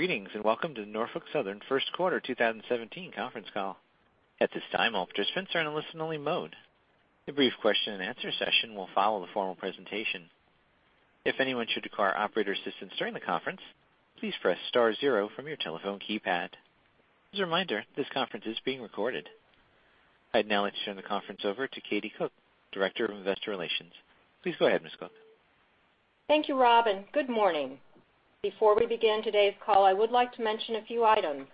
Greetings, welcome to the Norfolk Southern first quarter 2017 conference call. At this time, all participants are in a listen-only mode. A brief question-and-answer session will follow the formal presentation. If anyone should require operator assistance during the conference, please press star zero from your telephone keypad. As a reminder, this conference is being recorded. I'd now like to turn the conference over to Katie Cook, Director of Investor Relations. Please go ahead, Ms. Cook. Thank you, Rob, good morning. Before we begin today's call, I would like to mention a few items.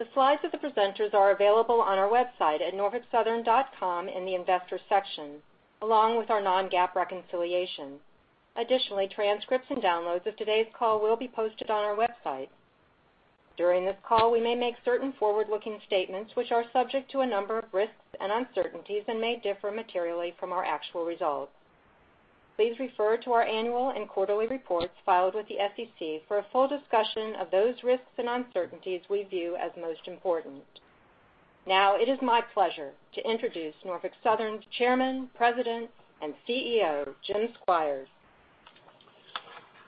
The slides of the presenters are available on our website at norfolksouthern.com in the Investors section, along with our non-GAAP reconciliation. Additionally, transcripts and downloads of today's call will be posted on our website. During this call, we may make certain forward-looking statements which are subject to a number of risks and uncertainties and may differ materially from our actual results. Please refer to our annual and quarterly reports filed with the SEC for a full discussion of those risks and uncertainties we view as most important. Now it is my pleasure to introduce Norfolk Southern's Chairman, President, and CEO, Jim Squires.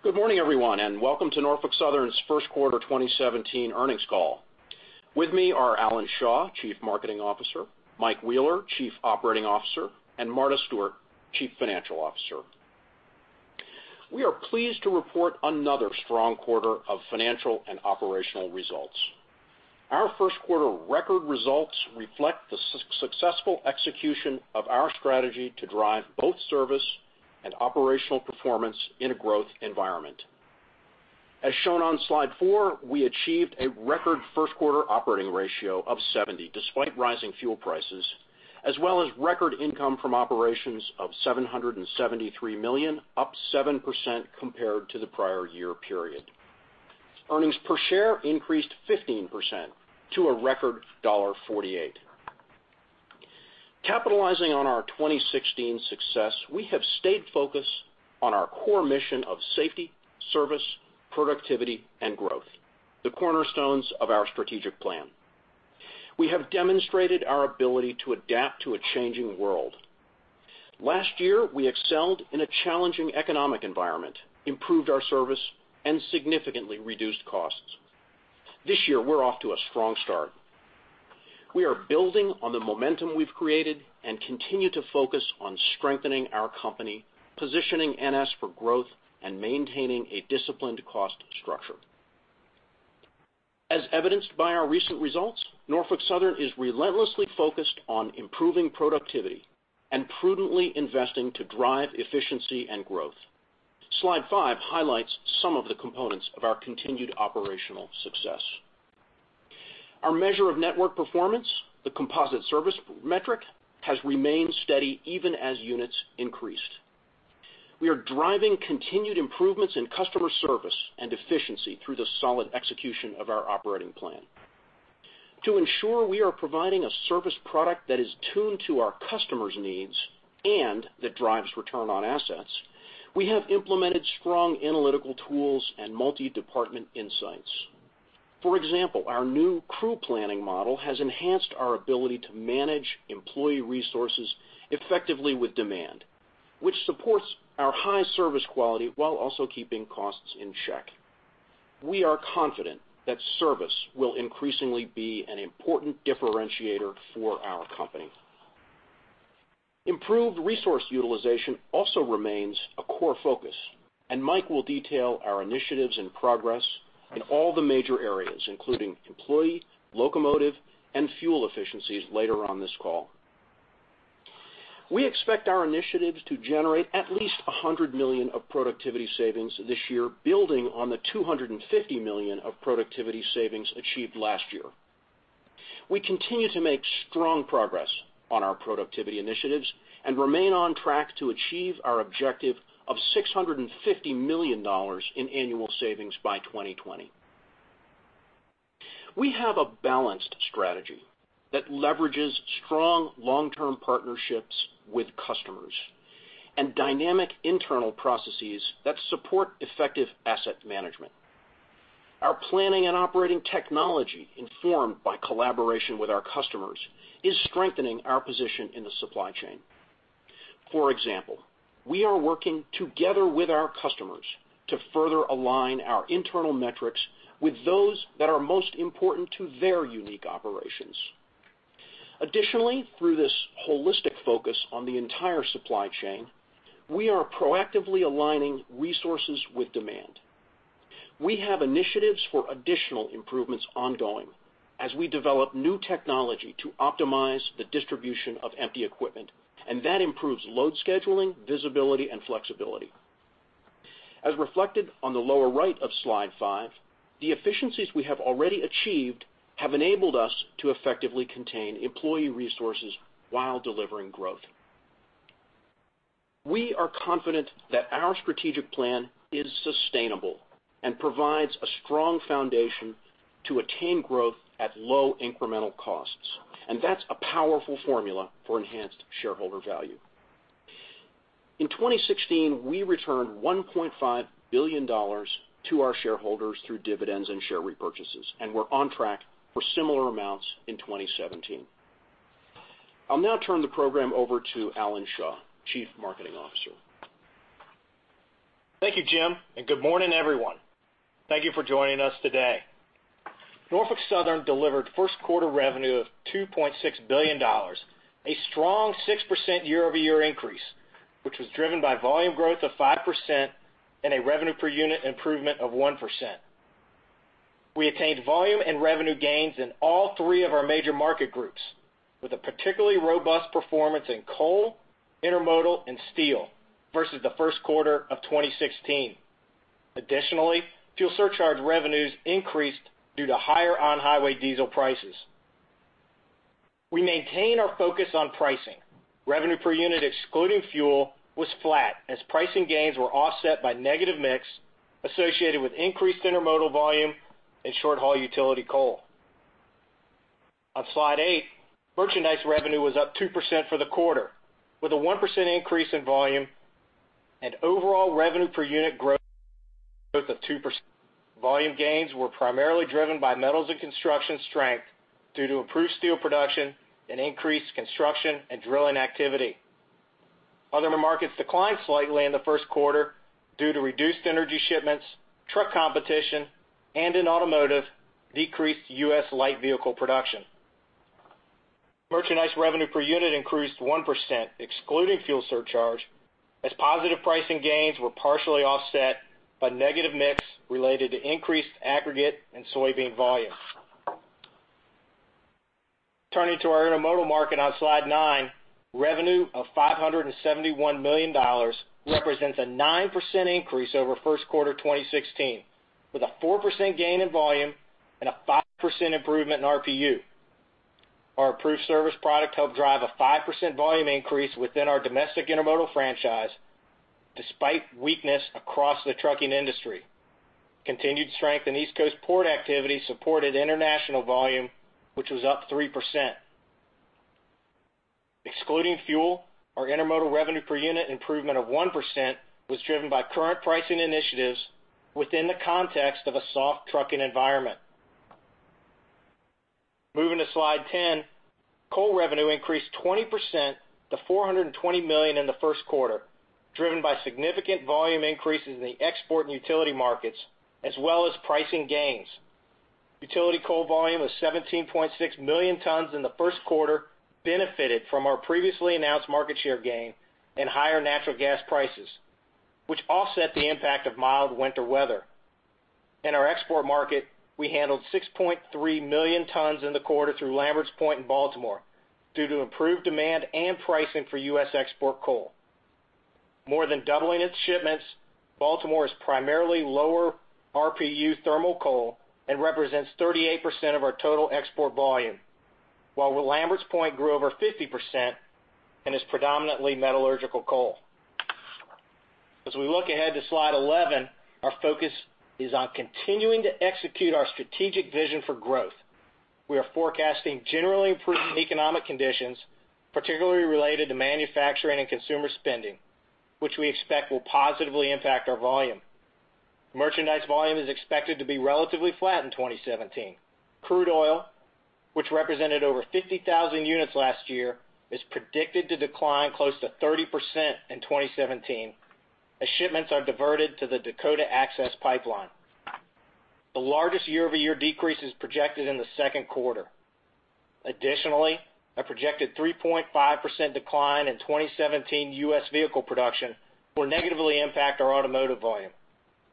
Good morning, everyone, welcome to Norfolk Southern's first quarter 2017 earnings call. With me are Alan Shaw, Chief Marketing Officer, Mike Wheeler, Chief Operating Officer, and Marta Stewart, Chief Financial Officer. We are pleased to report another strong quarter of financial and operational results. Our first quarter record results reflect the successful execution of our strategy to drive both service and operational performance in a growth environment. As shown on slide four, we achieved a record first quarter operating ratio of 70, despite rising fuel prices, as well as record income from operations of $773 million, up 7% compared to the prior year period. Earnings per share increased 15% to a record $1.48. Capitalizing on our 2016 success, we have stayed focused on our core mission of safety, service, productivity, and growth, the cornerstones of our strategic plan. We have demonstrated our ability to adapt to a changing world. Last year, we excelled in a challenging economic environment, improved our service, and significantly reduced costs. This year, we're off to a strong start. We are building on the momentum we've created and continue to focus on strengthening our company, positioning NS for growth, and maintaining a disciplined cost structure. As evidenced by our recent results, Norfolk Southern is relentlessly focused on improving productivity and prudently investing to drive efficiency and growth. Slide five highlights some of the components of our continued operational success. Our measure of network performance, the composite service metric, has remained steady even as units increased. We are driving continued improvements in customer service and efficiency through the solid execution of our operating plan. To ensure we are providing a service product that is tuned to our customers' needs and that drives return on assets, we have implemented strong analytical tools and multi-department insights. For example, our new crew planning model has enhanced our ability to manage employee resources effectively with demand, which supports our high service quality while also keeping costs in check. We are confident that service will increasingly be an important differentiator for our company. Improved resource utilization also remains a core focus, and Mike will detail our initiatives and progress in all the major areas, including employee, locomotive, and fuel efficiencies later on this call. We expect our initiatives to generate at least $100 million of productivity savings this year, building on the $250 million of productivity savings achieved last year. We continue to make strong progress on our productivity initiatives and remain on track to achieve our objective of $650 million in annual savings by 2020. We have a balanced strategy that leverages strong long-term partnerships with customers and dynamic internal processes that support effective asset management. Our planning and operating technology, informed by collaboration with our customers, is strengthening our position in the supply chain. For example, we are working together with our customers to further align our internal metrics with those that are most important to their unique operations. Additionally, through this holistic focus on the entire supply chain, we are proactively aligning resources with demand. We have initiatives for additional improvements ongoing as we develop new technology to optimize the distribution of empty equipment. That improves load scheduling, visibility, and flexibility. As reflected on the lower right of slide five, the efficiencies we have already achieved have enabled us to effectively contain employee resources while delivering growth. We are confident that our strategic plan is sustainable and provides a strong foundation to attain growth at low incremental costs. That's a powerful formula for enhanced shareholder value. In 2016, we returned $1.5 billion to our shareholders through dividends and share repurchases. We're on track for similar amounts in 2017. I'll now turn the program over to Alan Shaw, Chief Marketing Officer. Thank you, Jim. Good morning, everyone. Thank you for joining us today. Norfolk Southern delivered first quarter revenue of $2.6 billion, a strong 6% year-over-year increase, which was driven by volume growth of 5% and a revenue per unit improvement of 1%. We attained volume and revenue gains in all three of our major market groups, with a particularly robust performance in coal, intermodal, and steel versus the first quarter of 2016. Additionally, fuel surcharge revenues increased due to higher on-highway diesel prices. We maintain our focus on pricing. Revenue per unit excluding fuel was flat, as pricing gains were offset by negative mix associated with increased intermodal volume and short-haul utility coal. On Slide eight, merchandise revenue was up 2% for the quarter, with a 1% increase in volume and overall revenue per unit growth of 2%. Volume gains were primarily driven by metals and construction strength due to improved steel production and increased construction and drilling activity. Other markets declined slightly in the first quarter due to reduced energy shipments, truck competition, and in automotive, decreased U.S. light vehicle production. Merchandise revenue per unit increased 1%, excluding fuel surcharge, as positive pricing gains were partially offset by negative mix related to increased aggregate and soybean volume. Turning to our intermodal market on Slide nine, revenue of $571 million represents a 9% increase over first quarter 2016, with a 4% gain in volume and a 5% improvement in RPU. Our improved service product helped drive a 5% volume increase within our domestic intermodal franchise, despite weakness across the trucking industry. Continued strength in East Coast port activity supported international volume, which was up 3%. Excluding fuel, our intermodal revenue per unit improvement of 1% was driven by current pricing initiatives within the context of a soft trucking environment. Moving to Slide 10, coal revenue increased 20% to $420 million in the first quarter, driven by significant volume increases in the export and utility markets, as well as pricing gains. Utility coal volume of 17.6 million tons in the first quarter benefited from our previously announced market share gain and higher natural gas prices, which offset the impact of mild winter weather. In our export market, we handled 6.3 million tons in the quarter through Lamberts Point in Baltimore due to improved demand and pricing for U.S. export coal. More than doubling its shipments, Baltimore is primarily lower RPU thermal coal and represents 38% of our total export volume, while Lamberts Point grew over 50% and is predominantly metallurgical coal. As we look ahead to Slide 11, our focus is on continuing to execute our strategic vision for growth. We are forecasting generally improving economic conditions, particularly related to manufacturing and consumer spending, which we expect will positively impact our volume. Merchandise volume is expected to be relatively flat in 2017. Crude oil, which represented over 50,000 units last year, is predicted to decline close to 30% in 2017 as shipments are diverted to the Dakota Access Pipeline. The largest year-over-year decrease is projected in the second quarter. Additionally, a projected 3.5% decline in 2017 U.S. vehicle production will negatively impact our automotive volume.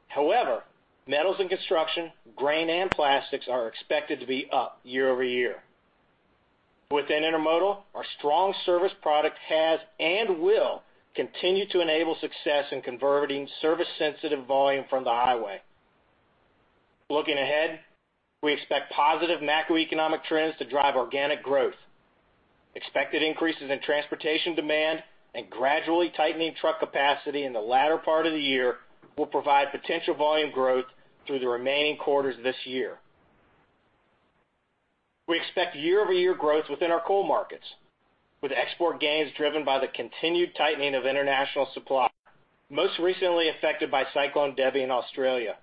However, metals and construction, grain, and plastics are expected to be up year-over-year. Within intermodal, our strong service product has and will continue to enable success in converting service-sensitive volume from the highway. Looking ahead, we expect positive macroeconomic trends to drive organic growth. Expected increases in transportation demand and gradually tightening truck capacity in the latter part of the year will provide potential volume growth through the remaining quarters this year. We expect year-over-year growth within our coal markets, with export gains driven by the continued tightening of international supply, most recently affected by Cyclone Debbie in Australia.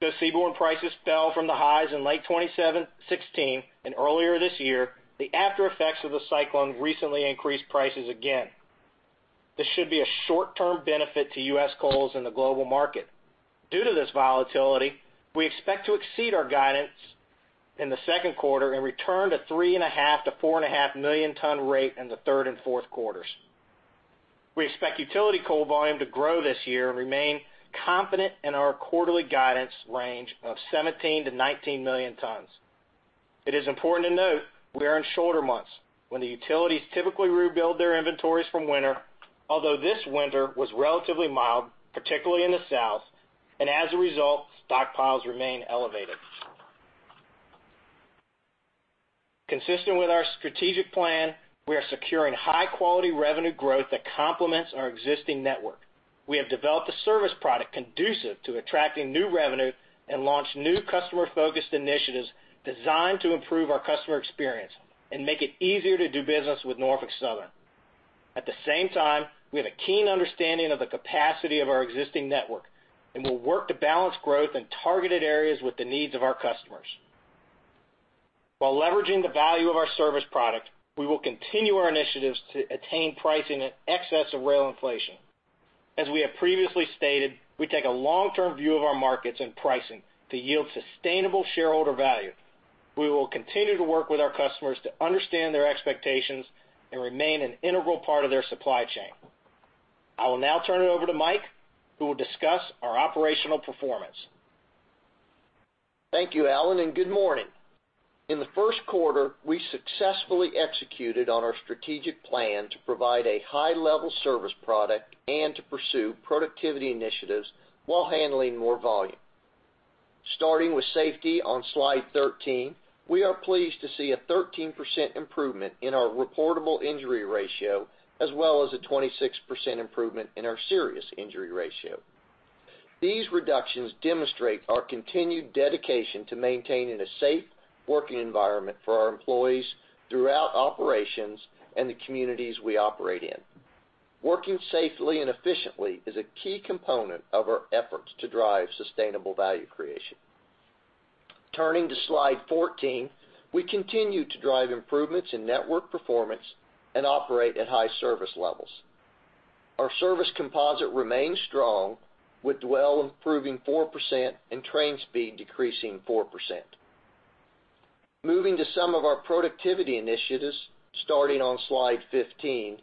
Though seaborne prices fell from the highs in late 2016 and earlier this year, the aftereffects of the cyclone recently increased prices again. This should be a short-term benefit to U.S. coals in the global market. Due to this volatility, we expect to exceed our guidance in the second quarter and return to 3.5 million ton rate - 4.5 million ton rate in the third and fourth quarters. We expect utility coal volume to grow this year and remain confident in our quarterly guidance range of 17 million tons - 19 million tons. It is important to note we are in shorter months when the utilities typically rebuild their inventories from winter, although this winter was relatively mild, particularly in the south, and as a result, stockpiles remain elevated. Consistent with our strategic plan, we are securing high-quality revenue growth that complements our existing network. We have developed a service product conducive to attracting new revenue and launched new customer-focused initiatives designed to improve our customer experience and make it easier to do business with Norfolk Southern. At the same time, we have a keen understanding of the capacity of our existing network, and we'll work to balance growth in targeted areas with the needs of our customers. While leveraging the value of our service product, we will continue our initiatives to attain pricing in excess of rail inflation. As we have previously stated, we take a long-term view of our markets and pricing to yield sustainable shareholder value. We will continue to work with our customers to understand their expectations and remain an integral part of their supply chain. I will now turn it over to Mike, who will discuss our operational performance. Thank you, Alan, and good morning. In the first quarter, we successfully executed on our strategic plan to provide a high-level service product and to pursue productivity initiatives while handling more volume. Starting with safety on slide 13, we are pleased to see a 13% improvement in our reportable injury ratio, as well as a 26% improvement in our serious injury ratio. These reductions demonstrate our continued dedication to maintaining a safe working environment for our employees throughout operations and the communities we operate in. Working safely and efficiently is a key component of our efforts to drive sustainable value creation. Turning to slide 14, we continue to drive improvements in network performance and operate at high service levels. Our service composite remains strong, with dwell improving 4% and train speed decreasing 4%. Moving to some of our productivity initiatives, starting on slide 15.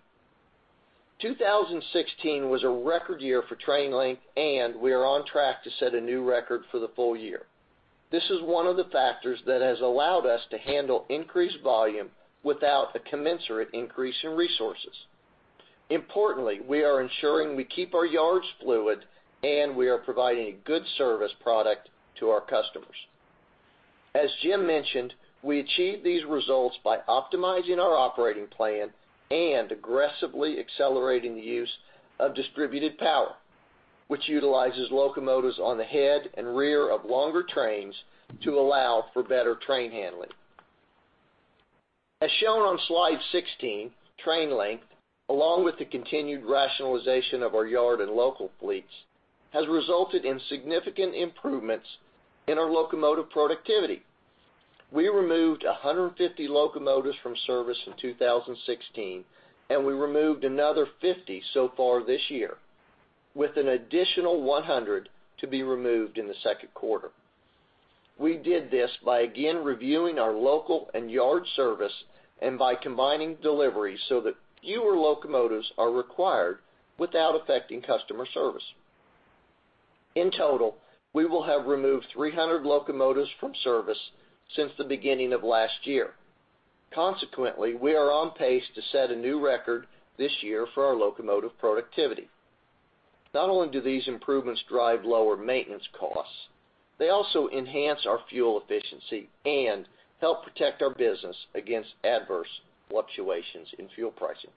2016 was a record year for train length, and we are on track to set a new record for the full year. This is one of the factors that has allowed us to handle increased volume without a commensurate increase in resources. Importantly, we are ensuring we keep our yards fluid, and we are providing a good service product to our customers. As Jim mentioned, we achieved these results by optimizing our operating plan and aggressively accelerating the use of distributed power, which utilizes locomotives on the head and rear of longer trains to allow for better train handling. As shown on slide 16, train length, along with the continued rationalization of our yard and local fleets, has resulted in significant improvements in our locomotive productivity. We removed 150 locomotives from service in 2016. We removed another 50 so far this year, with an additional 100 to be removed in the second quarter. We did this by again reviewing our local and yard service and by combining deliveries so that fewer locomotives are required without affecting customer service. In total, we will have removed 300 locomotives from service since the beginning of last year. Consequently, we are on pace to set a new record this year for our locomotive productivity. Not only do these improvements drive lower maintenance costs, they also enhance our fuel efficiency and help protect our business against adverse fluctuations in fuel pricing.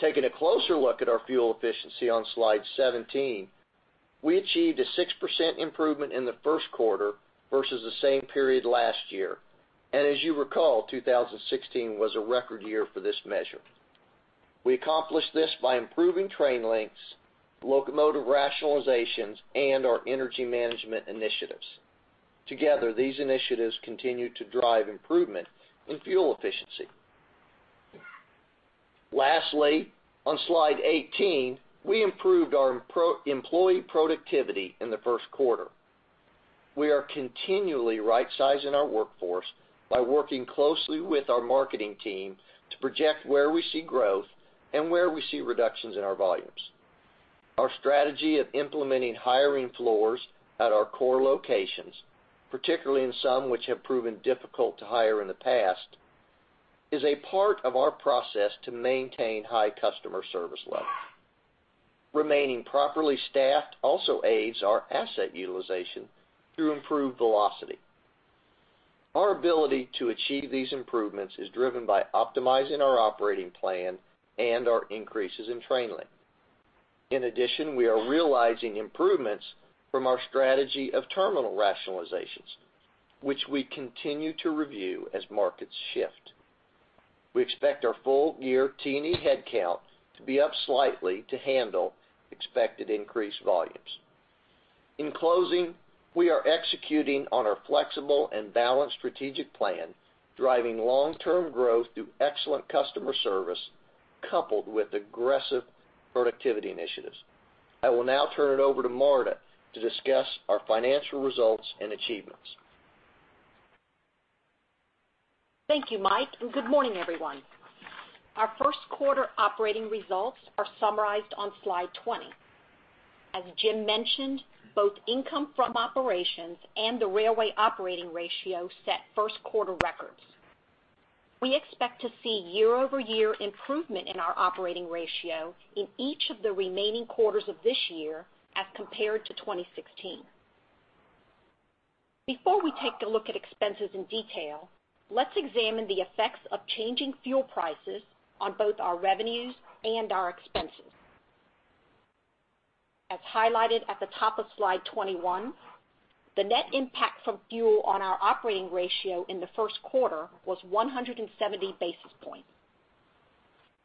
Taking a closer look at our fuel efficiency on slide 17, we achieved a 6% improvement in the first quarter versus the same period last year. As you recall, 2016 was a record year for this measure. We accomplished this by improving train lengths, locomotive rationalizations, and our energy management initiatives. Together, these initiatives continue to drive improvement in fuel efficiency. Lastly, on slide 18, we improved our employee productivity in the first quarter. We are continually rightsizing our workforce by working closely with our marketing team to project where we see growth and where we see reductions in our volumes. Our strategy of implementing hiring floors at our core locations, particularly in some which have proven difficult to hire in the past, is a part of our process to maintain high customer service levels. Remaining properly staffed also aids our asset utilization through improved velocity. Our ability to achieve these improvements is driven by optimizing our operating plan and our increases in train length. In addition, we are realizing improvements from our strategy of terminal rationalizations, which we continue to review as markets shift. We expect our full-year T&E headcount to be up slightly to handle expected increased volumes. In closing, we are executing on our flexible and balanced strategic plan, driving long-term growth through excellent customer service coupled with aggressive productivity initiatives. I will now turn it over to Marta to discuss our financial results and achievements. Thank you, Mike, and good morning, everyone. Our first quarter operating results are summarized on slide 20. As Jim mentioned, both income from operations and the railway operating ratio set first-quarter records. We expect to see year-over-year improvement in our operating ratio in each of the remaining quarters of this year as compared to 2016. Before we take a look at expenses in detail, let's examine the effects of changing fuel prices on both our revenues and our expenses. As highlighted at the top of slide 21, the net impact from fuel on our operating ratio in the first quarter was 170 basis points.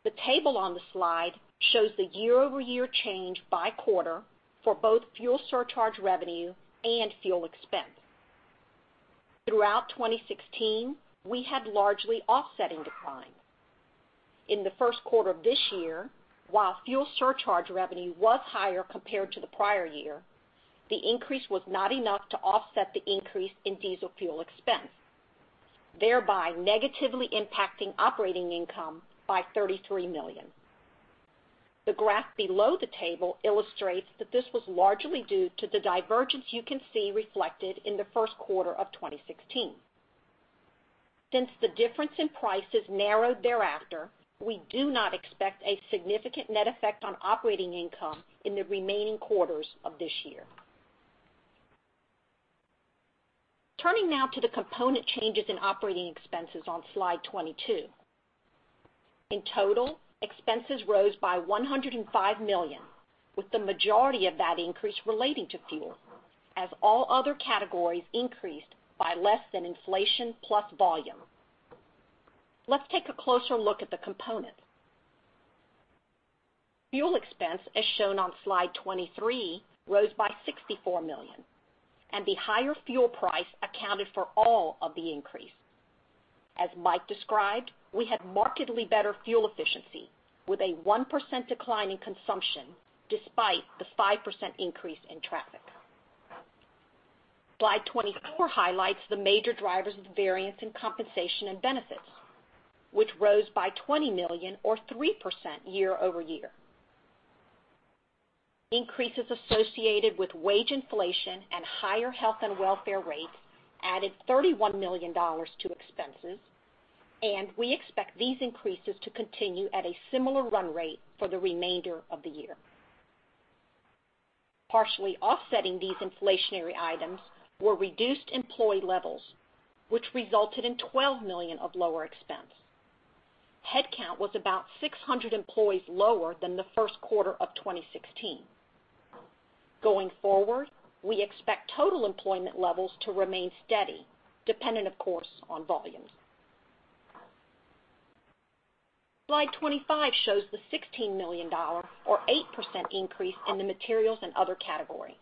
The table on the slide shows the year-over-year change by quarter for both fuel surcharge revenue and fuel expense. Throughout 2016, we had largely offsetting declines. In the first quarter of this year, while fuel surcharge revenue was higher compared to the prior year, the increase was not enough to offset the increase in diesel fuel expense, thereby negatively impacting operating income by $33 million. The graph below the table illustrates that this was largely due to the divergence you can see reflected in the first quarter of 2016. Since the difference in prices narrowed thereafter, we do not expect a significant net effect on operating income in the remaining quarters of this year. Turning now to the component changes in operating expenses on slide 22. In total, expenses rose by $105 million, with the majority of that increase relating to fuel, as all other categories increased by less than inflation plus volume. Let's take a closer look at the components. Fuel expense, as shown on slide 23, rose by $64 million. The higher fuel price accounted for all of the increase. As Mike described, we had markedly better fuel efficiency, with a 1% decline in consumption despite the 5% increase in traffic. Slide 24 highlights the major drivers of variance in compensation and benefits, which rose by $20 million or 3% year-over-year. Increases associated with wage inflation and higher health and welfare rates added $31 million to expenses. We expect these increases to continue at a similar run rate for the remainder of the year. Partially offsetting these inflationary items were reduced employee levels, which resulted in $12 million of lower expense. Headcount was about 600 employees lower than the first quarter of 2016. Going forward, we expect total employment levels to remain steady, dependent, of course, on volumes. Slide 25 shows the $16 million or 8% increase in the materials and other category.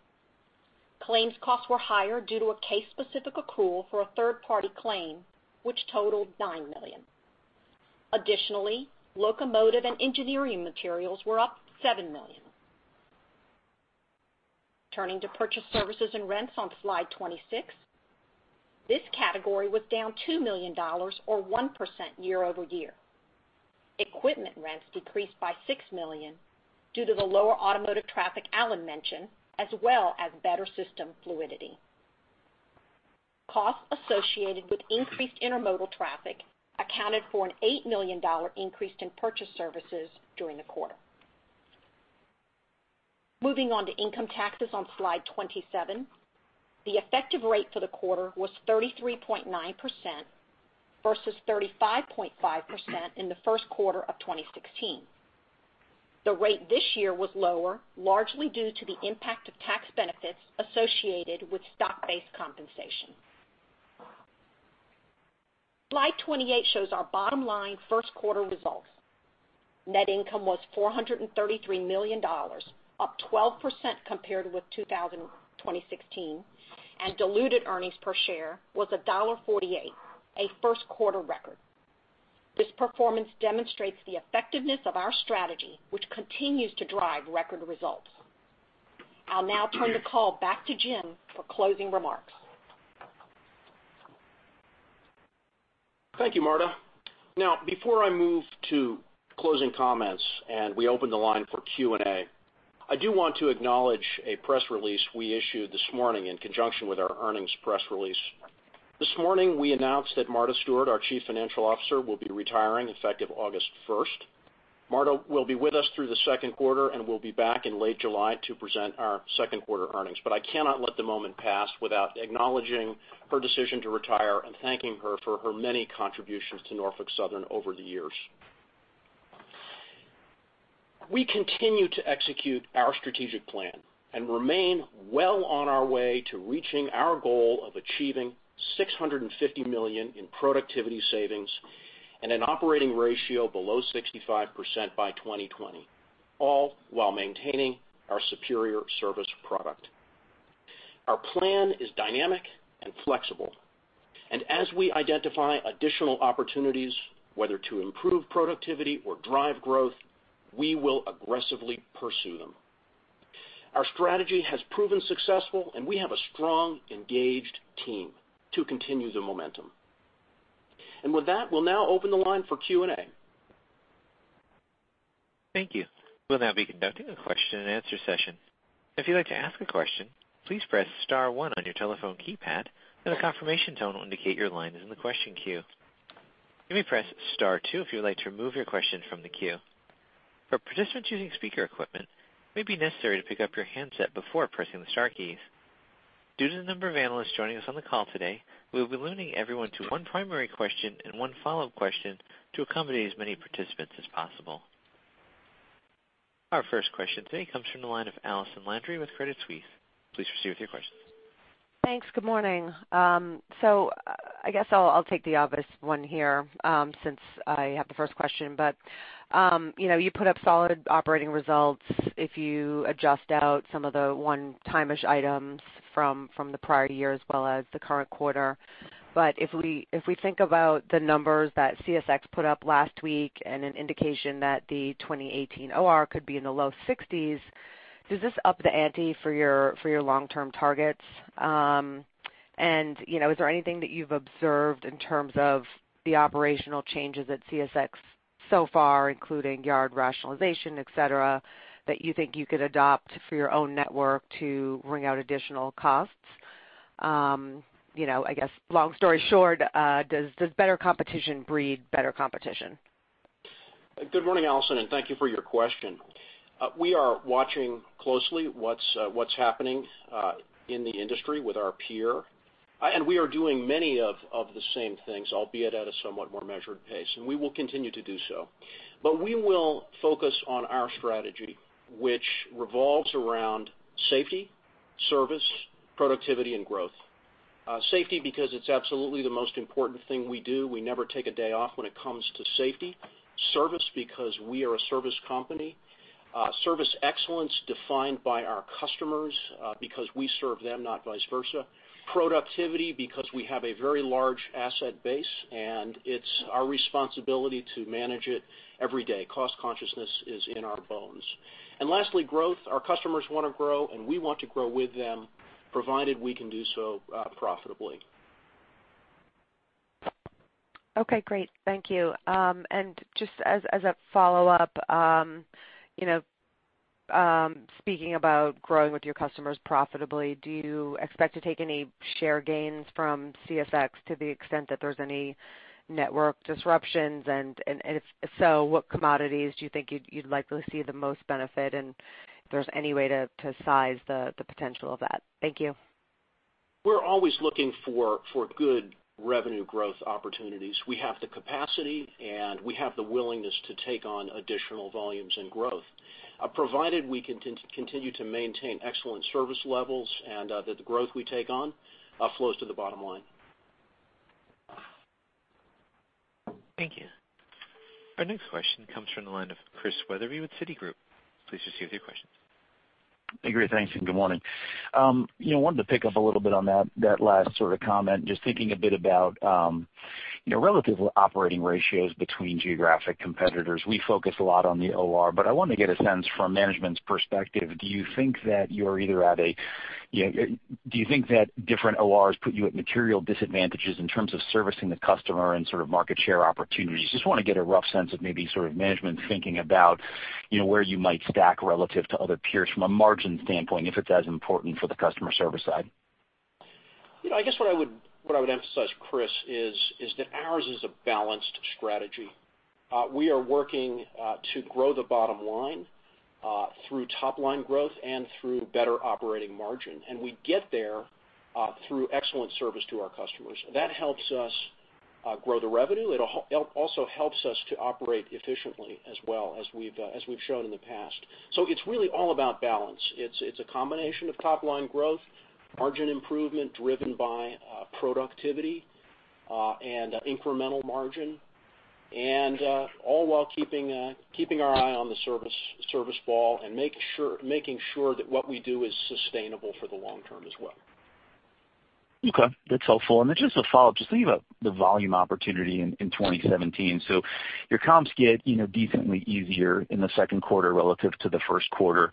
Claims costs were higher due to a case-specific accrual for a third-party claim, which totaled $9 million. Additionally, locomotive and engineering materials were up $7 million. Turning to purchase services and rents on slide 26. This category was down $2 million or 1% year-over-year. Equipment rents decreased by $6 million due to the lower automotive traffic Alan mentioned, as well as better system fluidity. Costs associated with increased intermodal traffic accounted for an $8 million increase in purchase services during the quarter. Moving on to income taxes on slide 27. The effective rate for the quarter was 33.9% versus 35.5% in the first quarter of 2016. The rate this year was lower, largely due to the impact of tax benefits associated with stock-based compensation. Slide 28 shows our bottom line first quarter results. Net income was $433 million, up 12% compared with 2016. Diluted earnings per share was $1.48, a first quarter record. This performance demonstrates the effectiveness of our strategy, which continues to drive record results. I'll now turn the call back to Jim for closing remarks. Thank you, Marta. Before I move to closing comments and we open the line for Q&A, I do want to acknowledge a press release we issued this morning in conjunction with our earnings press release. This morning, we announced that Marta Stewart, our chief financial officer, will be retiring effective August 1st. Marta will be with us through the second quarter and will be back in late July to present our second quarter earnings. I cannot let the moment pass without acknowledging her decision to retire and thanking her for her many contributions to Norfolk Southern over the years. We continue to execute our strategic plan and remain well on our way to reaching our goal of achieving $650 million in productivity savings and an OR below 65% by 2020, all while maintaining our superior service product. Our plan is dynamic and flexible, and as we identify additional opportunities, whether to improve productivity or drive growth, we will aggressively pursue them. Our strategy has proven successful, and we have a strong, engaged team to continue the momentum. With that, we'll now open the line for Q&A. Thank you. We'll now be conducting a question and answer session. If you'd like to ask a question, please press *1 on your telephone keypad and a confirmation tone will indicate your line is in the question queue. You may press *2 if you would like to remove your question from the queue. For participants using speaker equipment, it may be necessary to pick up your handset before pressing the star keys. Due to the number of analysts joining us on the call today, we will be limiting everyone to one primary question and one follow-up question to accommodate as many participants as possible. Our first question today comes from the line of Allison Landry with Credit Suisse. Please proceed with your questions. Thanks. Good morning. I guess I'll take the obvious one here, since I have the first question. You put up solid operating results if you adjust out some of the one-timish items from the prior year as well as the current quarter. If we think about the numbers that CSX put up last week and an indication that the 2018 OR could be in the low sixties, does this up the ante for your long-term targets? Is there anything that you've observed in terms of the operational changes at CSX so far, including yard rationalization, et cetera, that you think you could adopt for your own network to wring out additional costs? I guess long story short, does better competition breed better competition? Good morning, Allison, and thank you for your question. We are watching closely what's happening in the industry with our peer. We are doing many of the same things, albeit at a somewhat more measured pace, and we will continue to do so. We will focus on our strategy, which revolves around safety, service, productivity and growth. Safety because it's absolutely the most important thing we do. We never take a day off when it comes to safety. Service because we are a service company. Service excellence defined by our customers because we serve them, not vice versa. Productivity because we have a very large asset base and it's our responsibility to manage it every day. Cost consciousness is in our bones. Lastly, growth. Our customers want to grow, and we want to grow with them, provided we can do so profitably. Okay, great. Thank you. Just as a follow-up, speaking about growing with your customers profitably, do you expect to take any share gains from CSX to the extent that there's any network disruptions? If so, what commodities do you think you'd likely see the most benefit? If there's any way to size the potential of that. Thank you. We're always looking for good revenue growth opportunities. We have the capacity, and we have the willingness to take on additional volumes and growth, provided we can continue to maintain excellent service levels and that the growth we take on flows to the bottom line. Thank you. Our next question comes from the line of Chris Wetherbee with Citigroup. Please proceed with your question. Hey, great, thanks, and good morning. Wanted to pick up a little bit on that last comment, just thinking a bit about relative operating ratios between geographic competitors. We focus a lot on the OR, but I want to get a sense from management's perspective, do you think that different ORs put you at material disadvantages in terms of servicing the customer and market share opportunities? Just want to get a rough sense of maybe management thinking about where you might stack relative to other peers from a margin standpoint, if it's as important for the customer service side. I guess what I would emphasize, Chris, is that ours is a balanced strategy. We are working to grow the bottom line through top-line growth and through better operating margin. We get there through excellent service to our customers. That helps us grow the revenue. It also helps us to operate efficiently as well as we've shown in the past. It's really all about balance. It's a combination of top-line growth, margin improvement driven by productivity and incremental margin, all while keeping our eye on the service ball and making sure that what we do is sustainable for the long term as well. Okay. That's helpful. Just a follow-up, just thinking about the volume opportunity in 2017. Your comps get decently easier in the second quarter relative to the first quarter.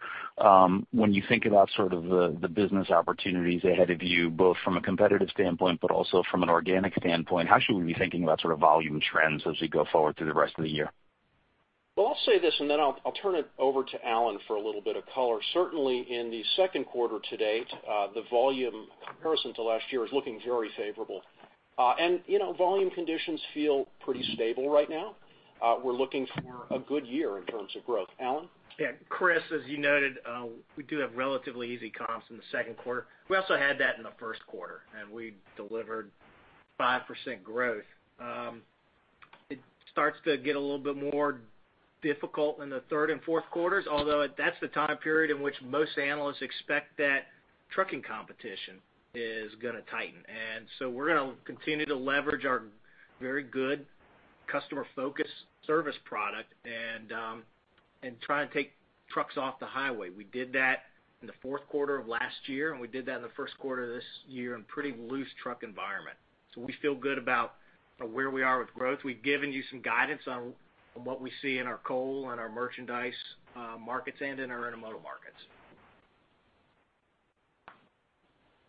When you think about the business opportunities ahead of you, both from a competitive standpoint, but also from an organic standpoint, how should we be thinking about volume trends as we go forward through the rest of the year? Well, I'll say this, then I'll turn it over to Alan for a little bit of color. Certainly in the second quarter to date, the volume comparison to last year is looking very favorable. Volume conditions feel pretty stable right now. We're looking for a good year in terms of growth. Alan? Yeah, Chris, as you noted, we do have relatively easy comps in the second quarter. We also had that in the first quarter, we delivered 5% growth. It starts to get a little bit more difficult in the third and fourth quarters, although that's the time period in which most analysts expect that trucking competition is going to tighten. We're going to continue to leverage our very good customer focus service product and try and take trucks off the highway. We did that in the fourth quarter of last year, we did that in the first quarter of this year in pretty loose truck environment. We feel good about where we are with growth. We've given you some guidance on what we see in our coal and our merchandise markets and in our intermodal markets.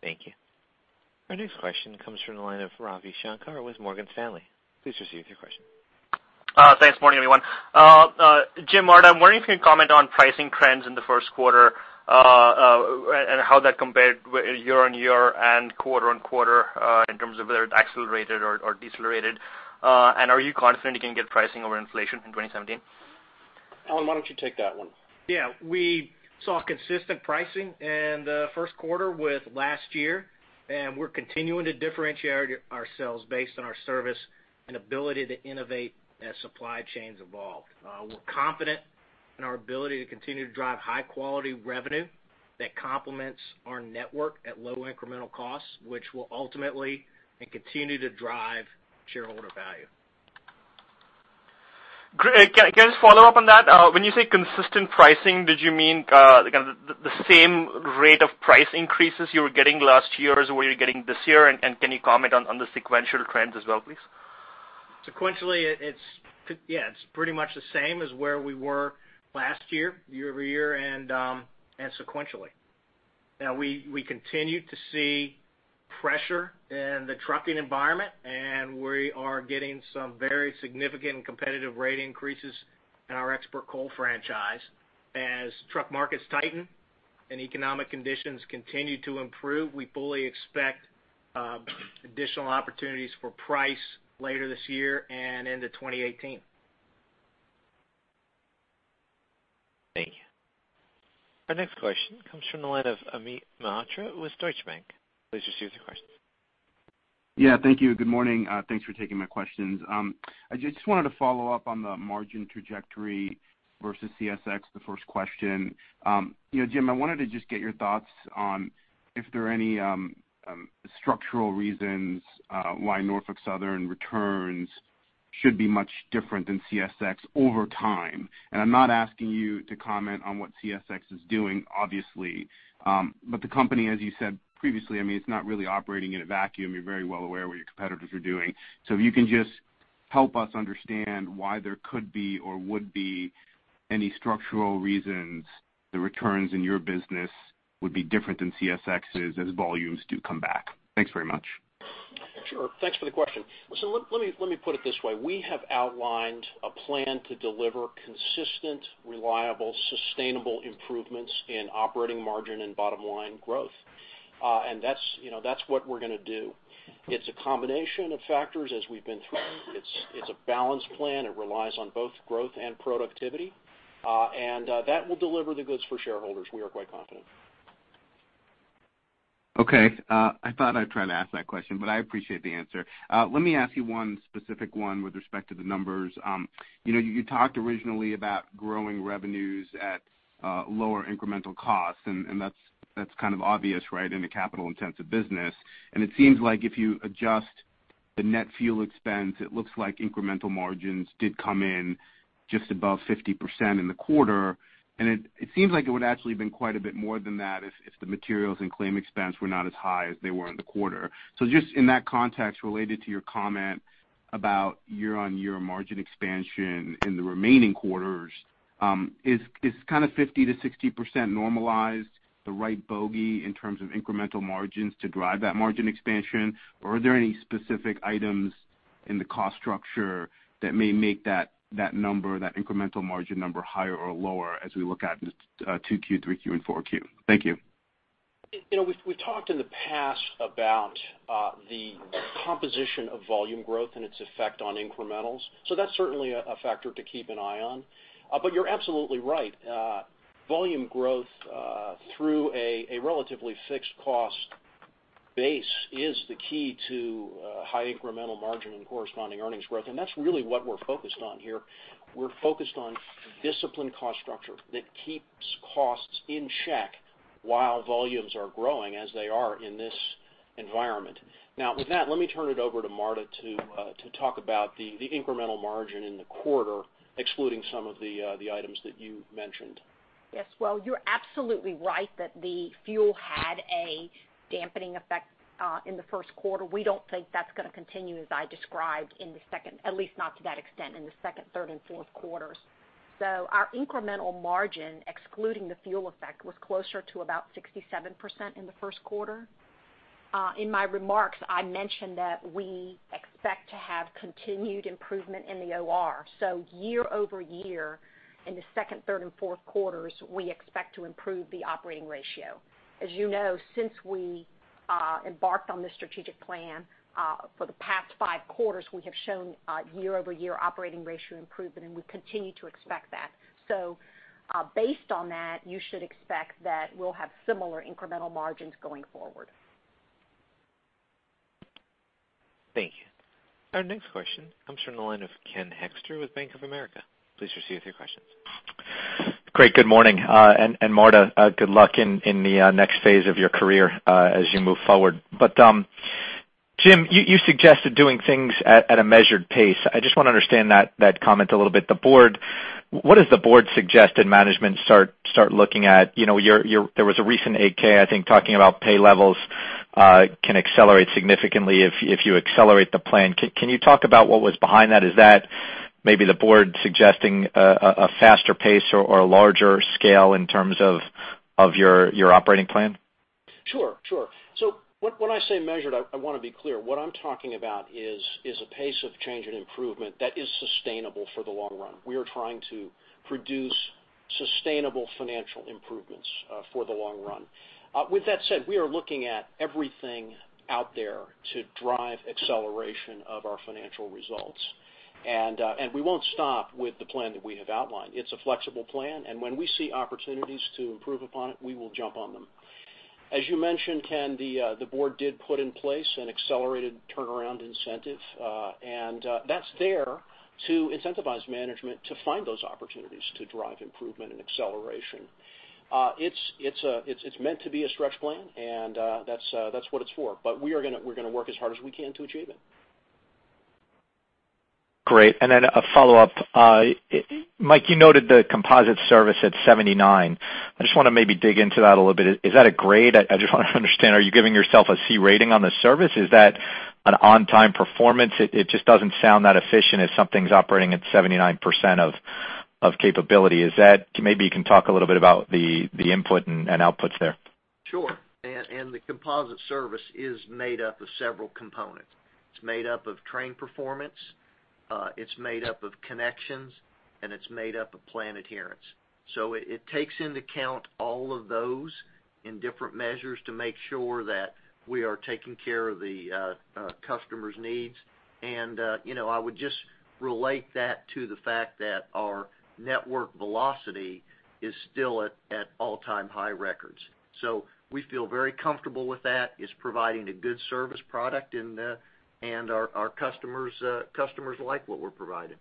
Thank you. Our next question comes from the line of Ravi Shanker with Morgan Stanley. Please proceed with your question. Thanks. Morning, everyone. Jim, Marta, I'm wondering if you can comment on pricing trends in the first quarter and how that compared year-over-year and quarter-over-quarter in terms of whether it accelerated or decelerated. Are you confident you can get pricing over inflation in 2017? Alan, why don't you take that one? Yeah. We saw consistent pricing in the first quarter with last year, and we're continuing to differentiate ourselves based on our service and ability to innovate as supply chains evolve. We're confident in our ability to continue to drive high-quality revenue that complements our network at low incremental costs, which will ultimately, and continue to drive shareholder value. Great. Can I just follow up on that? When you say consistent pricing, did you mean the same rate of price increases you were getting last year is what you're getting this year? Can you comment on the sequential trends as well, please? Sequentially, it's pretty much the same as where we were last year-over-year, and sequentially. We continue to see pressure in the trucking environment, and we are getting some very significant and competitive rate increases in our export coal franchise. As truck markets tighten and economic conditions continue to improve, we fully expect additional opportunities for price later this year and into 2018. Thank you. Our next question comes from the line of Amit Mehrotra with Deutsche Bank. Please proceed with your question. Yeah, thank you. Good morning. Thanks for taking my questions. I just wanted to follow up on the margin trajectory versus CSX, the first question. Jim, I wanted to just get your thoughts on if there are any structural reasons why Norfolk Southern returns should be much different than CSX over time. I'm not asking you to comment on what CSX is doing, obviously. The company, as you said previously, it's not really operating in a vacuum. You're very well aware what your competitors are doing. If you can just help us understand why there could be or would be any structural reasons the returns in your business would be different than CSX's as volumes do come back. Thanks very much. Sure. Thanks for the question. Let me put it this way. We have outlined a plan to deliver consistent, reliable, sustainable improvements in operating margin and bottom-line growth. That's what we're going to do. It's a combination of factors, as we've been through. It's a balanced plan. It relies on both growth and productivity. That will deliver the goods for shareholders, we are quite confident. Okay. I thought I'd try to ask that question, but I appreciate the answer. Let me ask you one specific one with respect to the numbers. You talked originally about growing revenues at lower incremental costs, and that's kind of obvious in a capital-intensive business. It seems like if you adjust the net fuel expense, it looks like incremental margins did come in just above 50% in the quarter. It seems like it would actually have been quite a bit more than that if the materials and claim expense were not as high as they were in the quarter. Just in that context, related to your comment about year-on-year margin expansion in the remaining quarters, is kind of 50%-60% normalized the right bogey in terms of incremental margins to drive that margin expansion? Are there any specific items in the cost structure that may make that number, that incremental margin number, higher or lower as we look at 2Q, 3Q, and 4Q? Thank you. We've talked in the past about the composition of volume growth and its effect on incrementals. That's certainly a factor to keep an eye on. You're absolutely right. Volume growth through a relatively fixed cost base is the key to high incremental margin and corresponding earnings growth, and that's really what we're focused on here. We're focused on disciplined cost structure that keeps costs in check while volumes are growing as they are in this environment. Now, with that, let me turn it over to Marta to talk about the incremental margin in the quarter, excluding some of the items that you mentioned. Yes. Well, you're absolutely right that the fuel had a dampening effect in the first quarter. We don't think that's going to continue, as I described, at least not to that extent, in the second, third, and fourth quarters. Our incremental margin, excluding the fuel effect, was closer to about 67% in the first quarter. In my remarks, I mentioned that we expect to have continued improvement in the OR. Year-over-year in the second, third, and fourth quarters, we expect to improve the operating ratio. As you know, since we embarked on this strategic plan, for the past five quarters, we have shown year-over-year operating ratio improvement, and we continue to expect that. Based on that, you should expect that we'll have similar incremental margins going forward. Thank you. Our next question comes from the line of Ken Hoexter with Bank of America. Please proceed with your questions. Great. Good morning. Marta, good luck in the next phase of your career as you move forward. Jim, you suggested doing things at a measured pace. I just want to understand that comment a little bit. What does the board suggest that management start looking at? There was a recent 8-K, I think, talking about pay levels can accelerate significantly if you accelerate the plan. Can you talk about what was behind that? Is that maybe the board suggesting a faster pace or a larger scale in terms of your operating plan? Sure. When I say measured, I want to be clear. What I'm talking about is a pace of change and improvement that is sustainable for the long run. We are trying to produce Sustainable financial improvements for the long run. With that said, we are looking at everything out there to drive acceleration of our financial results. We won't stop with the plan that we have outlined. It's a flexible plan, when we see opportunities to improve upon it, we will jump on them. As you mentioned, Ken, the board did put in place an accelerated turnaround incentive, that's there to incentivize management to find those opportunities to drive improvement and acceleration. It's meant to be a stretch plan, that's what it's for. We're going to work as hard as we can to achieve it. Great. Then a follow-up. Mike, you noted the composite service at 79. I just want to maybe dig into that a little bit. Is that a grade? I just want to understand, are you giving yourself a C rating on the service? Is that an on-time performance? It just doesn't sound that efficient if something's operating at 79% of capability. Maybe you can talk a little bit about the input and outputs there. Sure. The composite service is made up of several components. It's made up of train performance, it's made up of connections, and it's made up of plan adherence. It takes into account all of those in different measures to make sure that we are taking care of the customer's needs. I would just relate that to the fact that our network velocity is still at all-time high records. We feel very comfortable with that. It's providing a good service product and our customers like what we're providing.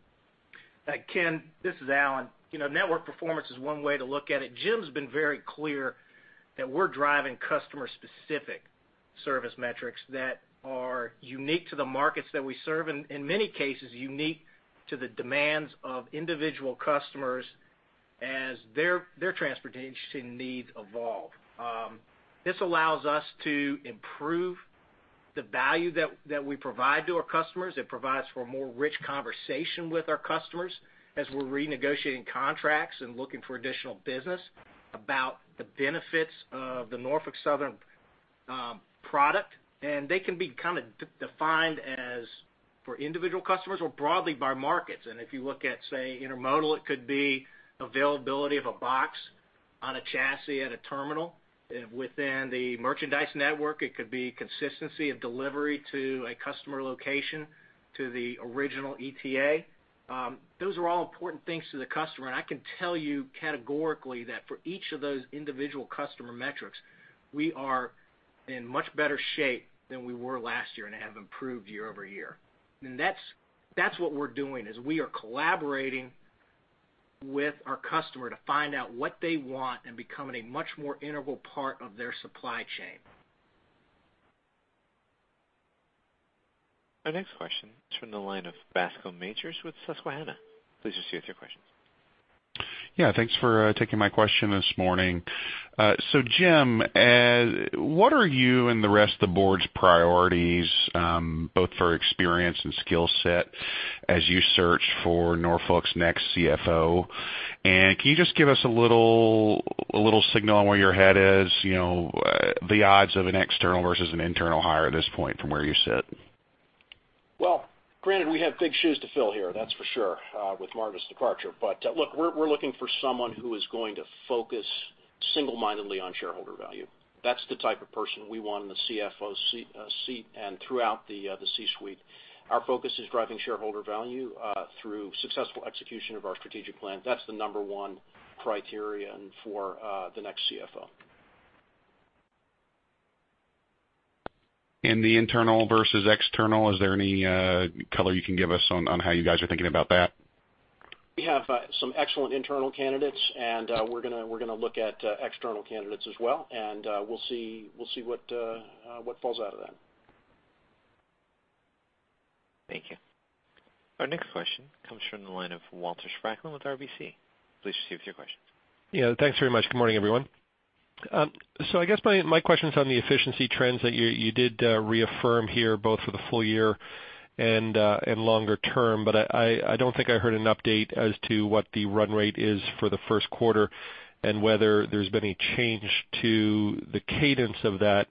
Ken, this is Alan. Network performance is one way to look at it. Jim's been very clear that we're driving customer-specific service metrics that are unique to the markets that we serve, and in many cases, unique to the demands of individual customers as their transportation needs evolve. This allows us to improve the value that we provide to our customers. It provides for a more rich conversation with our customers as we're renegotiating contracts and looking for additional business about the benefits of the Norfolk Southern product. They can be kind of defined as for individual customers or broadly by markets. If you look at, say, intermodal, it could be availability of a box on a chassis at a terminal. Within the merchandise network, it could be consistency of delivery to a customer location to the original ETA. Those are all important things to the customer. I can tell you categorically that for each of those individual customer metrics, we are in much better shape than we were last year and have improved year-over-year. That's what we're doing, is we are collaborating with our customer to find out what they want and becoming a much more integral part of their supply chain. Our next question is from the line of Bascome Majors with Susquehanna. Please proceed with your questions. Thanks for taking my question this morning. Jim, what are you and the rest of the board's priorities, both for experience and skill set, as you search for Norfolk's next CFO? Can you just give us a little signal on where your head is, the odds of an external versus an internal hire at this point from where you sit? Well, granted, we have big shoes to fill here, that's for sure, with Marta's departure. Look, we're looking for someone who is going to focus single-mindedly on shareholder value. That's the type of person we want in the CFO seat and throughout the C-suite. Our focus is driving shareholder value through successful execution of our strategic plan. That's the number one criterion for the next CFO. The internal versus external, is there any color you can give us on how you guys are thinking about that? We have some excellent internal candidates, we're going to look at external candidates as well, and we'll see what falls out of that. Thank you. Our next question comes from the line of Walter Spracklin with RBC. Please proceed with your question. Yeah, thanks very much. Good morning, everyone. I guess my question's on the efficiency trends that you did reaffirm here, both for the full year and longer term. I don't think I heard an update as to what the run rate is for the first quarter and whether there's been a change to the cadence of that,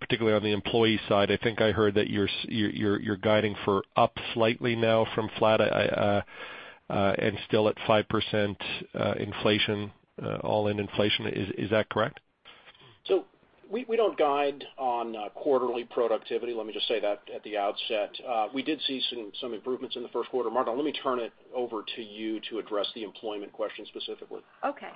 particularly on the employee side. I think I heard that you're guiding for up slightly now from flat and still at 5% all-in inflation. Is that correct? We don't guide on quarterly productivity, let me just say that at the outset. We did see some improvements in the first quarter. Marta, let me turn it over to you to address the employment question specifically. Okay.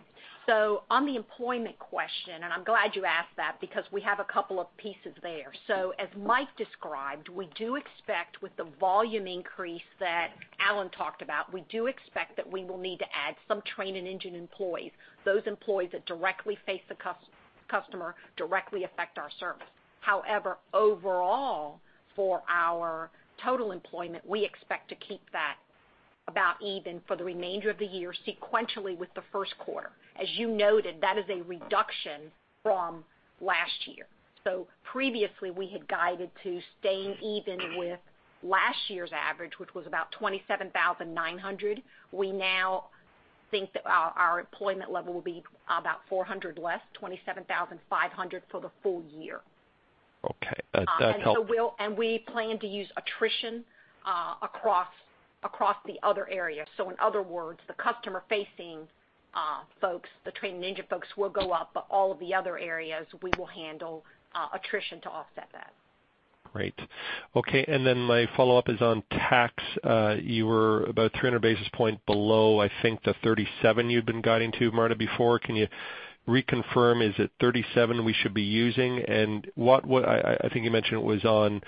On the employment question, and I'm glad you asked that because we have a couple of pieces there. As Mike described, we do expect with the volume increase that Alan talked about, we do expect that we will need to add some train and engine employees, those employees that directly face the customer directly affect our service. Overall, for our total employment, we expect to keep that about even for the remainder of the year sequentially with the first quarter. As you noted, that is a reduction from last year. Previously we had guided to staying even with last year's average, which was about 27,900. We now think that our employment level will be about 400 less, 27,500 for the full year. Okay. That helped. We plan to use attrition across the other areas. In other words, the customer-facing folks, the train and engine folks, will go up, but all of the other areas, we will handle attrition to offset that. Great. My follow-up is on tax. You were about 300 basis points below, I think, the 37% you'd been guiding to, Marta, before. Can you reconfirm, is it 37% we should be using? I think you mentioned it was on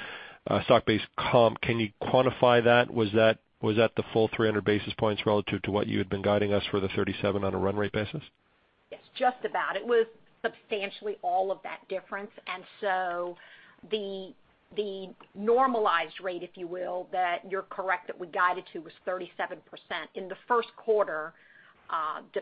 stock-based comp. Can you quantify that? Was that the full 300 basis points relative to what you had been guiding us for the 37% on a run rate basis? Yes, just about. It was substantially all of that difference. The normalized rate, if you will, that you're correct, that we guided to, was 37%. In the first quarter, PSUs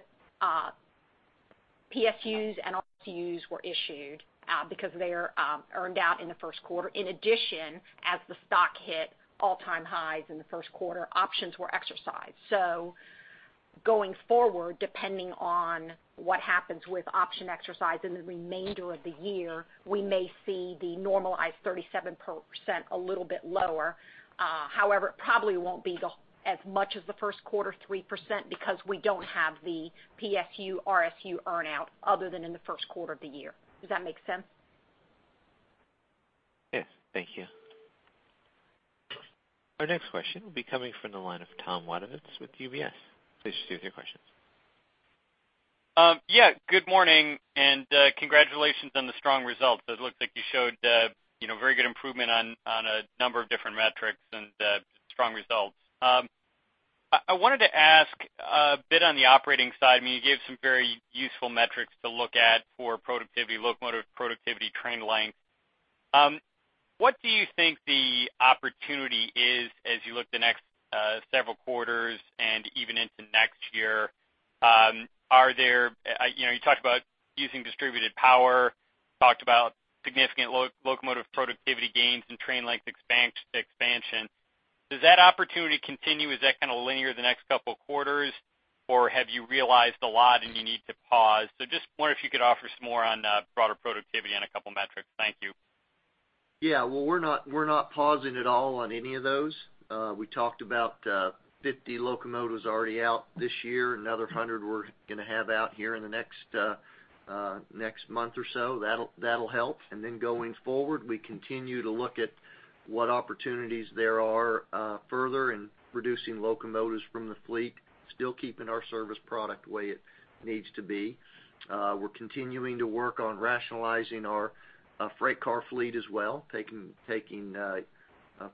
and RSUs were issued because they are earned out in the first quarter. In addition, as the stock hit all-time highs in the first quarter, options were exercised. Going forward, depending on what happens with option exercise in the remainder of the year, we may see the normalized 37% a little bit lower. However, it probably won't be as much as the first quarter 3% because we don't have the PSU, RSU earn-out other than in the first quarter of the year. Does that make sense? Yes. Thank you. Our next question will be coming from the line of Thomas Wadewitz with UBS. Please proceed with your questions. Yeah. Good morning, and congratulations on the strong results. It looks like you showed very good improvement on a number of different metrics and strong results. I wanted to ask a bit on the operating side, you gave some very useful metrics to look at for productivity, locomotive productivity, train length. What do you think the opportunity is as you look the next several quarters and even into next year? You talked about using distributed power, talked about significant locomotive productivity gains and train length expansion. Does that opportunity continue? Is that kind of linear the next couple of quarters, or have you realized a lot and you need to pause? Just wonder if you could offer some more on broader productivity on a couple of metrics. Thank you. Yeah. Well, we're not pausing at all on any of those. We talked about 50 locomotives already out this year. Another 100 we're going to have out here in the next month or so. That'll help. Going forward, we continue to look at what opportunities there are further in reducing locomotives from the fleet, still keeping our service product the way it needs to be. We're continuing to work on rationalizing our freight car fleet as well, taking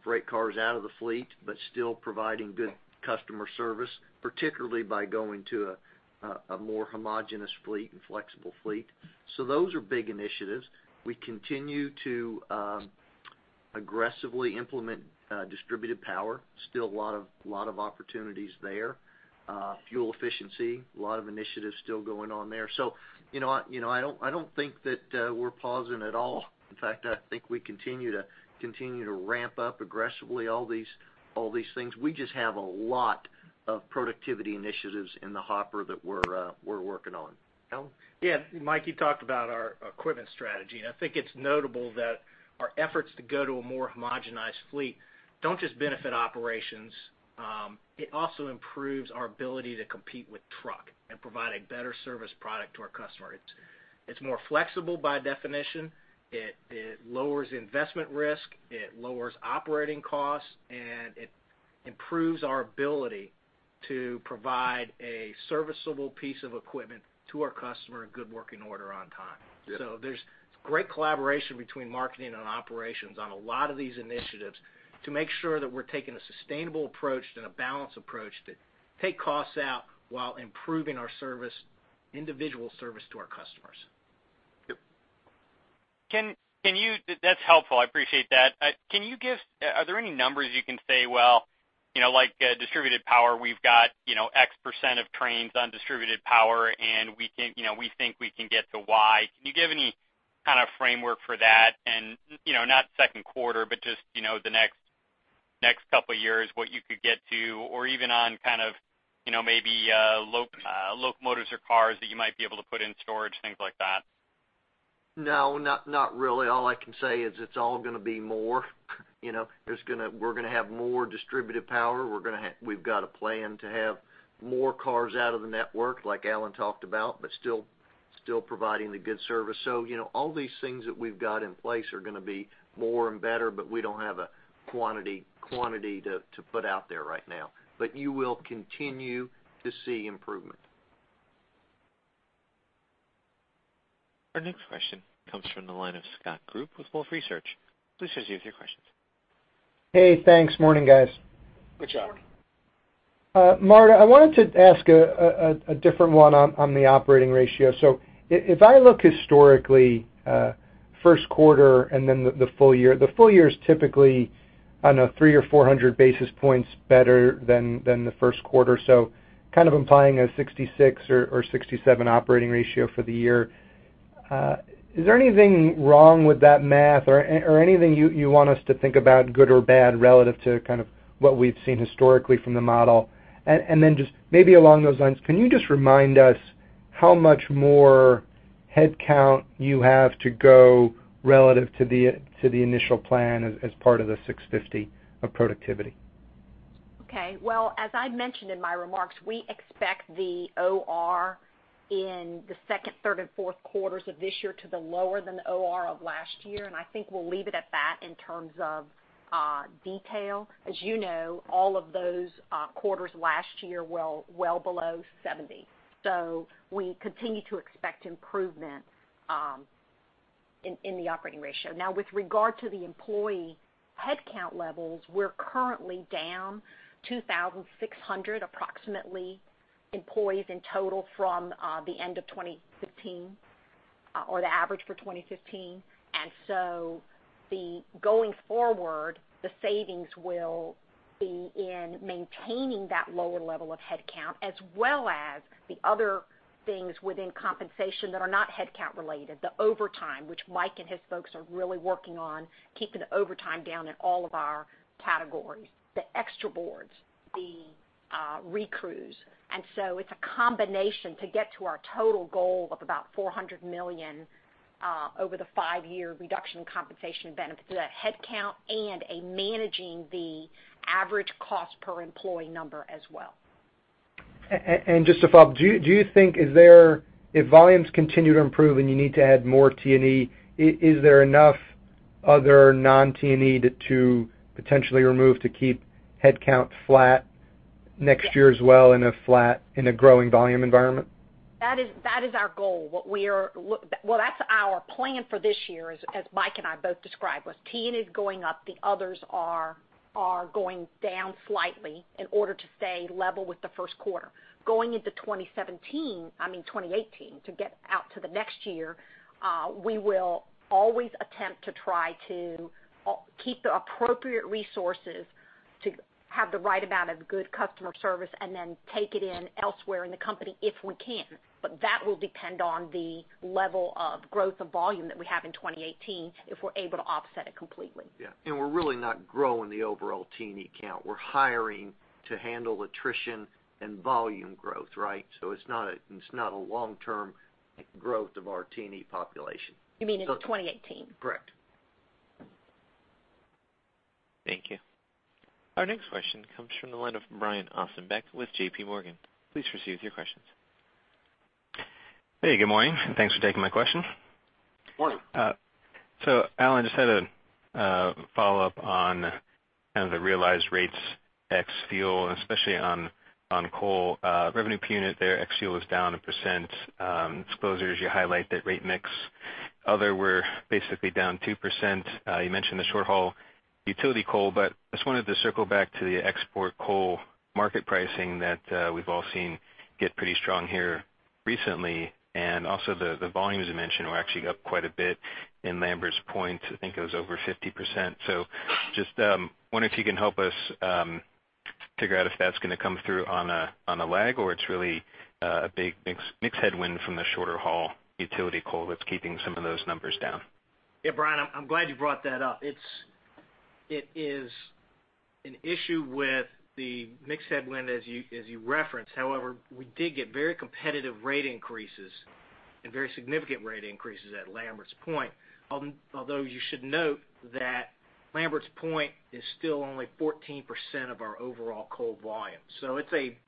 freight cars out of the fleet, but still providing good customer service, particularly by going to a more homogenous fleet and flexible fleet. Those are big initiatives. We continue to aggressively implement distributed power. Still a lot of opportunities there. Fuel efficiency, a lot of initiatives still going on there. I don't think that we're pausing at all. In fact, I think we continue to ramp up aggressively all these things. We just have a lot of productivity initiatives in the hopper that we're working on. Alan? Yeah, Mike, you talked about our equipment strategy, and I think it's notable that our efforts to go to a more homogen fleet don't just benefit operations. It also improves our ability to compete with truck and provide a better service product to our customer. It's more flexible by definition, it lowers investment risk, it lowers operating costs, and it improves our ability to provide a serviceable piece of equipment to our customer in good working order on time. There's great collaboration between marketing and operations on a lot of these initiatives to make sure that we're taking a sustainable approach and a balanced approach that take costs out while improving our individual service to our customers. Yep. That's helpful, I appreciate that. Are there any numbers you can say, well, like distributed power, we've got X% of trains on distributed power, and we think we can get to Y? Can you give any kind of framework for that? Not second quarter, but just the next couple of years, what you could get to, or even on maybe locomotives or cars that you might be able to put in storage, things like that? No, not really. All I can say is it's all going to be more. We're going to have more distributed power. We've got a plan to have more cars out of the network, like Alan talked about, but still providing the good service. All these things that we've got in place are going to be more and better, but we don't have a quantity to put out there right now. You will continue to see improvement. Our next question comes from the line of Scott Group with Wolfe Research. Please proceed with your questions. Hey, thanks. Morning, guys. Good job. Morning. Marta, I wanted to ask a different one on the operating ratio. If I look historically, first quarter and then the full year, the full year is typically, I don't know, 300 or 400 basis points better than the first quarter. Kind of implying a 66 or 67 operating ratio for the year. Is there anything wrong with that math or anything you want us to think about, good or bad, relative to kind of what we've seen historically from the model? Then just maybe along those lines, can you just remind us How much more headcount you have to go relative to the initial plan as part of the 650 of productivity? Well, as I mentioned in my remarks, we expect the OR in the second, third, and fourth quarters of this year to be lower than the OR of last year, and I think we'll leave it at that in terms of detail. As you know, all of those quarters last year were well below 70. We continue to expect improvement in the operating ratio. With regard to the employee headcount levels, we're currently down 2,600 approximately employees in total from the end of 2015 or the average for 2015. Going forward, the savings will be in maintaining that lower level of headcount, as well as the other things within compensation that are not headcount related, the overtime, which Mike and his folks are really working on keeping overtime down in all of our categories, the extra boards, the recrews. It's a combination to get to our total goal of about $400 million over the five-year reduction in compensation and benefits through that headcount and a managing the average cost per employee number as well. Just to follow up, if volumes continue to improve and you need to add more T&E, is there enough other non-T&E to potentially remove to keep headcount flat next year as well in a growing volume environment? That is our goal. Well, that's our plan for this year, as Mike and I both described, was T&E is going up, the others are going down slightly in order to stay level with the first quarter. Going into 2018, to get out to the next year, we will always attempt to try to keep the appropriate resources to have the right amount of good customer service and then take it in elsewhere in the company if we can. That will depend on the level of growth of volume that we have in 2018, if we're able to offset it completely. Yeah. We're really not growing the overall T&E count. We're hiring to handle attrition and volume growth, right? It's not a long-term growth of our T&E population. You mean into 2018? Correct. Thank you. Our next question comes from the line of Brian Ossenbeck with J.P. Morgan. Please proceed with your questions. Hey, good morning, and thanks for taking my question. Good morning. Alan, just had a follow-up on kind of the realized rates ex fuel, and especially on coal. Revenue per unit there, ex fuel, is down 1%. In disclosures, you highlight that rate mix. Other were basically down 2%. You mentioned the short-haul utility coal, but I just wanted to circle back to the export coal market pricing that we've all seen get pretty strong here recently. Also the volumes you mentioned were actually up quite a bit in Lambert's Point. I think it was over 50%. Just wondering if you can help us figure out if that's going to come through on a lag or it's really a big mixed headwind from the shorter haul utility coal that's keeping some of those numbers down. Yeah, Brian, I'm glad you brought that up. It is an issue with the mixed headwind as you referenced. However, we did get very competitive rate increases and very significant rate increases at Lambert's Point. Although you should note that Lambert's Point is still only 14% of our overall coal volume. It's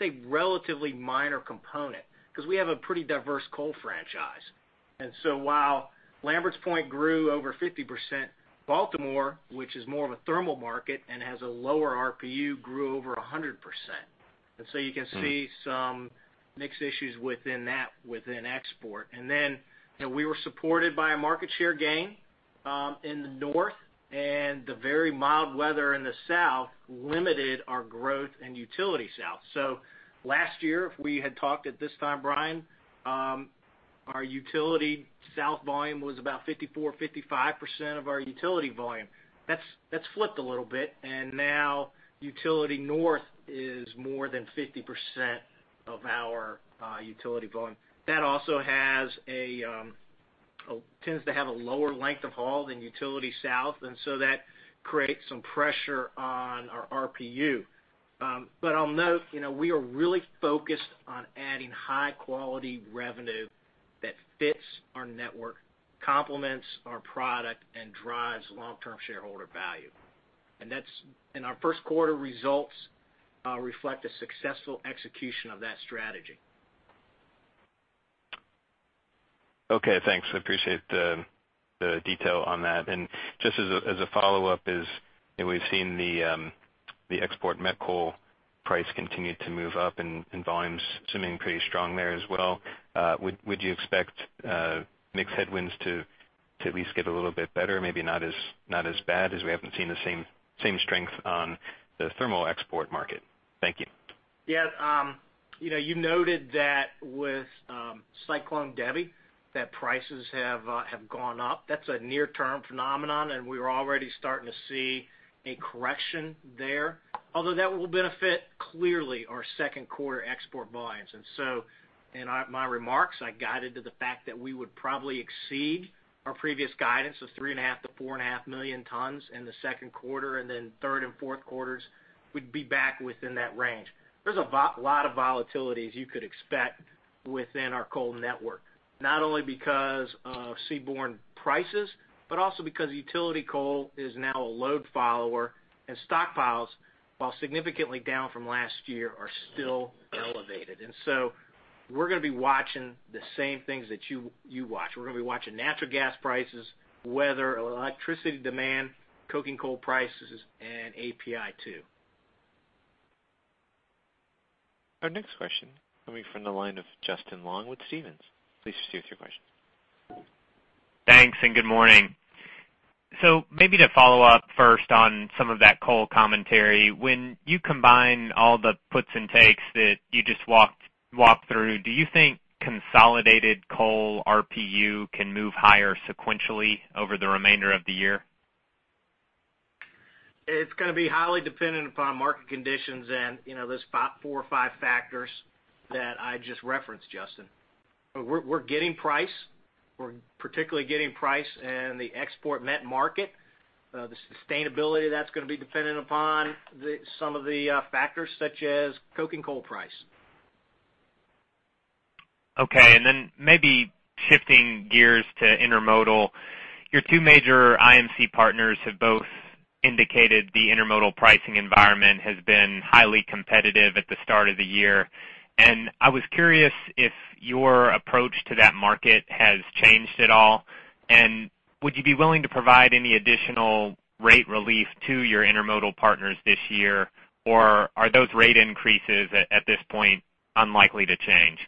a relatively minor component because we have a pretty diverse coal franchise. While Lambert's Point grew over 50%, Baltimore, which is more of a thermal market and has a lower RPU, grew over 100%. You can see some mixed issues within export. Then we were supported by a market share gain in the North, and the very mild weather in the South limited our growth in utility South. Last year, if we had talked at this time, Brian, our utility South volume was about 54%-55% of our utility volume. That's flipped a little bit, now utility North is more than 50% of our utility volume. That also tends to have a lower length of haul than utility South, that creates some pressure on our RPU. I'll note, we are really focused on adding high-quality revenue that fits our network, complements our product, and drives long-term shareholder value. Our first quarter results reflect a successful execution of that strategy. Okay, thanks. I appreciate the detail on that. Just as a follow-up is, we've seen the export met coal price continue to move up and volumes seeming pretty strong there as well. Would you expect mixed headwinds to at least get a little bit better, maybe not as bad as we haven't seen the same strength on the thermal export market? Thank you. Yeah. You noted that with Cyclone Debbie, prices have gone up. That's a near-term phenomenon, and we were already starting to see a correction there. Although that will benefit clearly our second quarter export volumes. In my remarks, I guided to the fact that we would probably exceed our previous guidance of 3.5 million tons-4.5 million tons in the second quarter, then third and fourth quarters, we'd be back within that range. There's a lot of volatility as you could expect within our coal network. Not only because of seaborne prices, but also because utility coal is now a load follower, and stockpiles, while significantly down from last year, are still elevated. We're going to be watching the same things that you watch. We're going to be watching natural gas prices, weather, electricity demand, coking coal prices, and API 2. Our next question coming from the line of Justin Long with Stephens. Please proceed with your question. Thanks, and good morning. Maybe to follow up first on some of that coal commentary. When you combine all the puts and takes that you just walked through, do you think consolidated coal RPU can move higher sequentially over the remainder of the year? It's going to be highly dependent upon market conditions and those four or five factors that I just referenced, Justin. We're getting price. We're particularly getting price in the export met market. The sustainability of that's going to be dependent upon some of the factors such as coking coal price. Okay. Maybe shifting gears to intermodal. Your two major IMC partners have both indicated the intermodal pricing environment has been highly competitive at the start of the year. I was curious if your approach to that market has changed at all. Would you be willing to provide any additional rate relief to your intermodal partners this year? Are those rate increases, at this point, unlikely to change?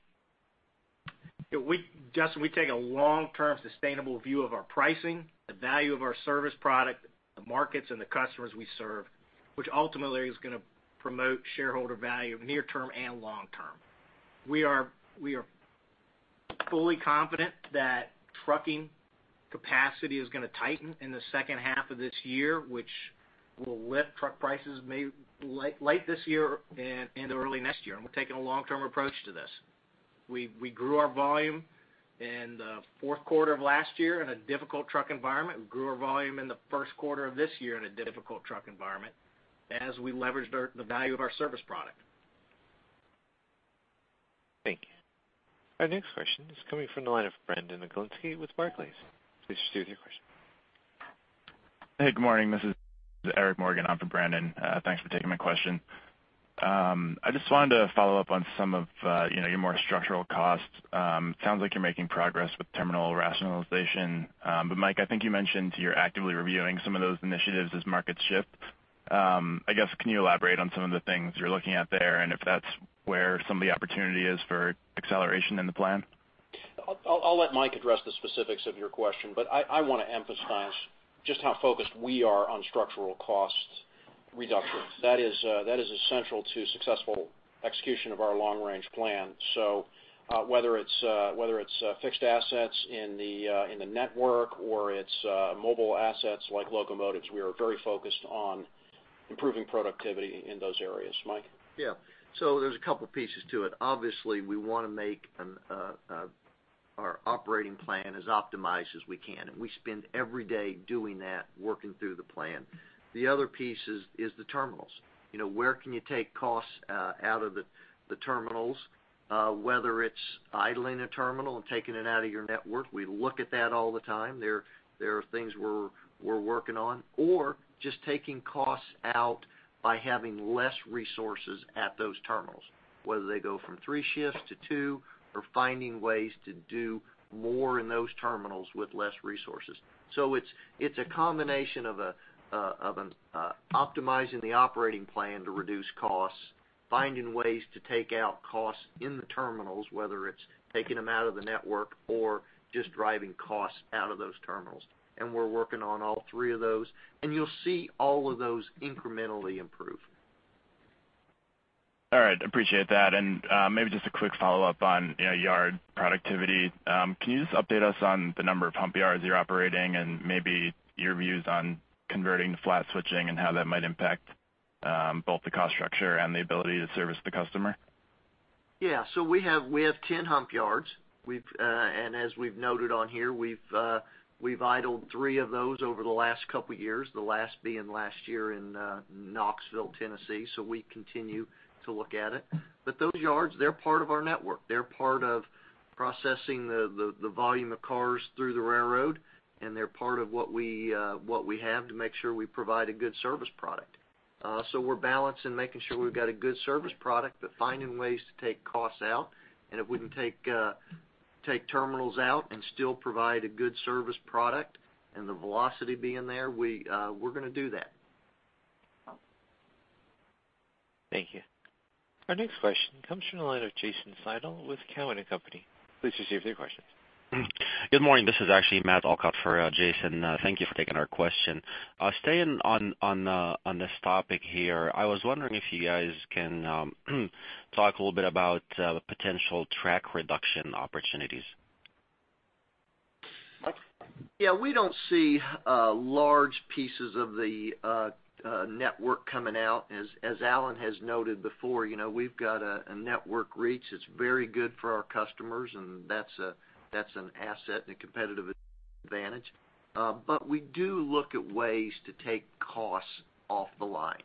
Justin, we take a long-term sustainable view of our pricing, the value of our service product, the markets, and the customers we serve, which ultimately is going to promote shareholder value near term and long term. We are fully confident that trucking capacity is going to tighten in the second half of this year, which will lift truck prices maybe late this year and early next year. We're taking a long-term approach to this. We grew our volume in the fourth quarter of last year in a difficult truck environment. We grew our volume in the first quarter of this year in a difficult truck environment as we leveraged the value of our service product. Thank you. Our next question is coming from the line of Brandon Oglenski with Barclays. Please proceed with your question. Hey, good morning. This is Eric Morgan in for Brandon. Thanks for taking my question. I just wanted to follow up on some of your more structural costs. Sounds like you're making progress with terminal rationalization. Mike, I think you mentioned you're actively reviewing some of those initiatives as markets shift. I guess, can you elaborate on some of the things you're looking at there, and if that's where some of the opportunity is for acceleration in the plan? I'll let Mike address the specifics of your question. I want to emphasize just how focused we are on structural cost reduction. That is essential to successful execution of our long-range plan. Whether it's fixed assets in the network or it's mobile assets like locomotives, we are very focused on improving productivity in those areas. Mike? There's a couple pieces to it. Obviously, we want to make our operating plan as optimized as we can. We spend every day doing that, working through the plan. The other piece is the terminals. Where can you take costs out of the terminals, whether it's idling a terminal and taking it out of your network, we look at that all the time. There are things we're working on. Just taking costs out by having less resources at those terminals, whether they go from three shifts to two or finding ways to do more in those terminals with less resources. It's a combination of optimizing the operating plan to reduce costs, finding ways to take out costs in the terminals, whether it's taking them out of the network or just driving costs out of those terminals. We're working on all three of those. You'll see all of those incrementally improve. All right. Appreciate that. Maybe just a quick follow-up on yard productivity. Can you just update us on the number of hump yards you're operating and maybe your views on converting to flat switching and how that might impact both the cost structure and the ability to service the customer? We have 10 hump yards. As we've noted on here, we've idled three of those over the last couple years, the last being last year in Knoxville, Tennessee. We continue to look at it. Those yards, they're part of our network. They're part of processing the volume of cars through the railroad. They're part of what we have to make sure we provide a good service product. We're balancing making sure we've got a good service product, finding ways to take costs out. If we can take terminals out and still provide a good service product and the velocity being there, we're going to do that. Thank you. Our next question comes from the line of Jason Seidl with Cowen and Company. Please proceed with your question. Good morning. This is actually Matthew Elkott for Jason. Thank you for taking our question. Staying on this topic here, I was wondering if you guys can talk a little bit about the potential track reduction opportunities. Mike? We don't see large pieces of the network coming out. As Alan has noted before, we've got a network reach that's very good for our customers, and that's an asset and a competitive advantage. We do look at ways to take costs off the lines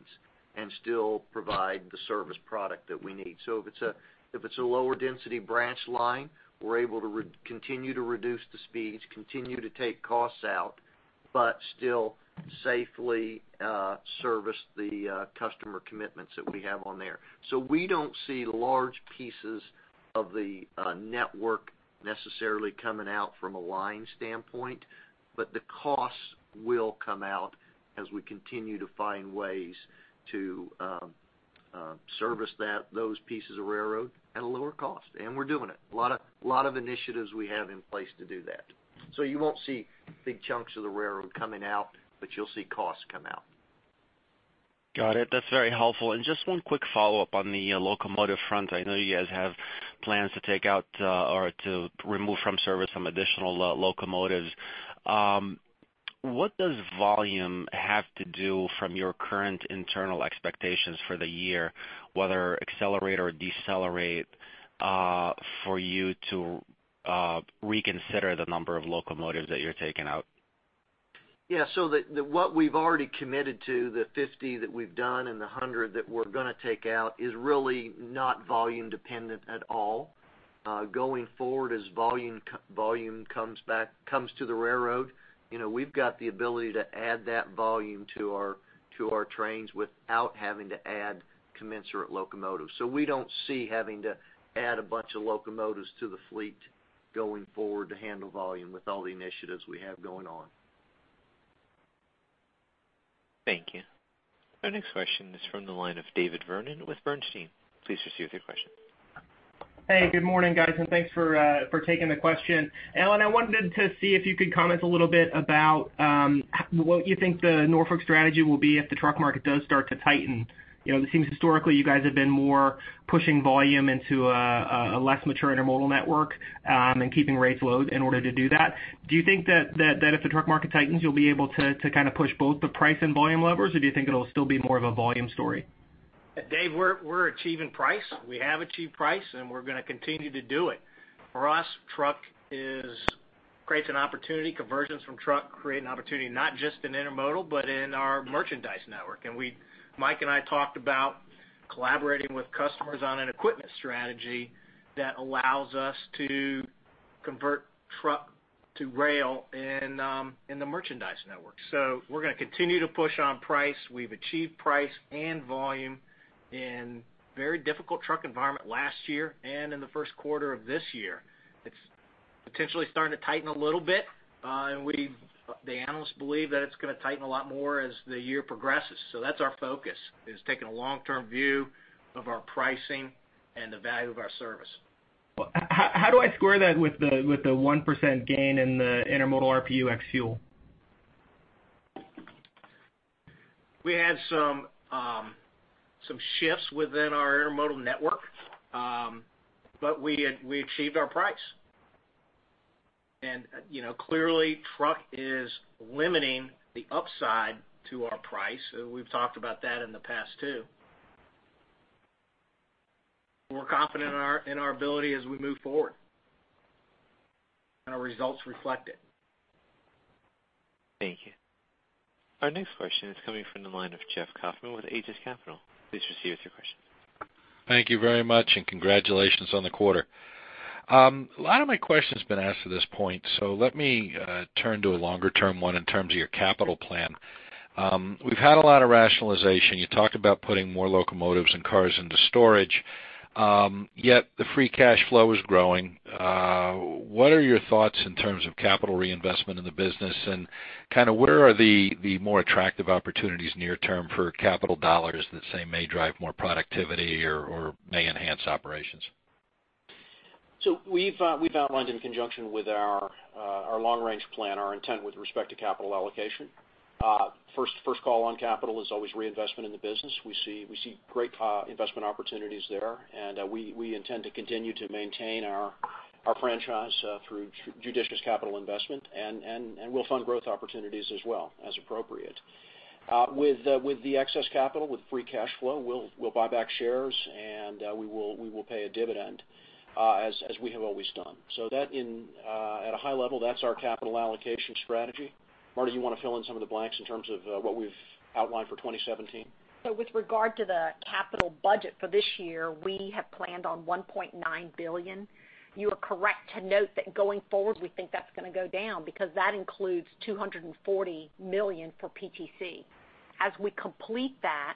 and still provide the service product that we need. If it's a lower density branch line, we're able to continue to reduce the speeds, continue to take costs out Still safely service the customer commitments that we have on there. We don't see large pieces of the network necessarily coming out from a line standpoint, but the costs will come out as we continue to find ways to service those pieces of railroad at a lower cost. We're doing it. A lot of initiatives we have in place to do that. You won't see big chunks of the railroad coming out, but you'll see costs come out. Got it. That's very helpful. Just one quick follow-up on the locomotive front. I know you guys have plans to take out or to remove from service some additional locomotives. What does volume have to do from your current internal expectations for the year, whether accelerate or decelerate, for you to reconsider the number of locomotives that you're taking out? Yeah. What we've already committed to, the 50 that we've done and the 100 that we're going to take out, is really not volume dependent at all. Going forward, as volume comes to the railroad, we've got the ability to add that volume to our trains without having to add commensurate locomotives. We don't see having to add a bunch of locomotives to the fleet going forward to handle volume with all the initiatives we have going on. Thank you. Our next question is from the line of David Vernon with Bernstein. Please proceed with your question. Hey, good morning, guys, and thanks for taking the question. Alan, I wanted to see if you could comment a little bit about what you think the Norfolk strategy will be if the truck market does start to tighten. It seems historically you guys have been more pushing volume into a less mature intermodal network, and keeping rates low in order to do that. Do you think that if the truck market tightens, you'll be able to kind of push both the price and volume levers, or do you think it'll still be more of a volume story? Dave, we're achieving price. We have achieved price, and we're going to continue to do it. For us, truck creates an opportunity. Conversions from truck create an opportunity, not just in intermodal, but in our merchandise network. Mike and I talked about collaborating with customers on an equipment strategy that allows us to convert truck to rail in the merchandise network. We're going to continue to push on price. We've achieved price and volume in very difficult truck environment last year and in the first quarter of this year. It's potentially starting to tighten a little bit. The analysts believe that it's going to tighten a lot more as the year progresses. That's our focus, is taking a long-term view of our pricing and the value of our service. How do I square that with the 1% gain in the intermodal RPU ex fuel? We had some shifts within our intermodal network. We achieved our price. Clearly, truck is limiting the upside to our price. We've talked about that in the past, too. We're confident in our ability as we move forward, and our results reflect it. Thank you. Our next question is coming from the line of Jeff Kauffman with Aegis Capital. Please proceed with your question. Thank you very much, congratulations on the quarter. A lot of my question's been asked to this point, so let me turn to a longer-term one in terms of your capital plan. We've had a lot of rationalization. You talked about putting more locomotives and cars into storage, yet the free cash flow is growing. What are your thoughts in terms of capital reinvestment in the business, and where are the more attractive opportunities near term for capital dollars that, say, may drive more productivity or may enhance operations? We've outlined in conjunction with our long range plan, our intent with respect to capital allocation. First call on capital is always reinvestment in the business. We see great investment opportunities there, and we intend to continue to maintain our franchise through judicious capital investment, and we'll fund growth opportunities as well, as appropriate. With the excess capital, with free cash flow, we'll buy back shares and we will pay a dividend, as we have always done. At a high level, that's our capital allocation strategy. Marta, do you want to fill in some of the blanks in terms of what we've outlined for 2017? With regard to the capital budget for this year, we have planned on $1.9 billion. You are correct to note that going forward, we think that's going to go down because that includes $240 million for PTC. As we complete that,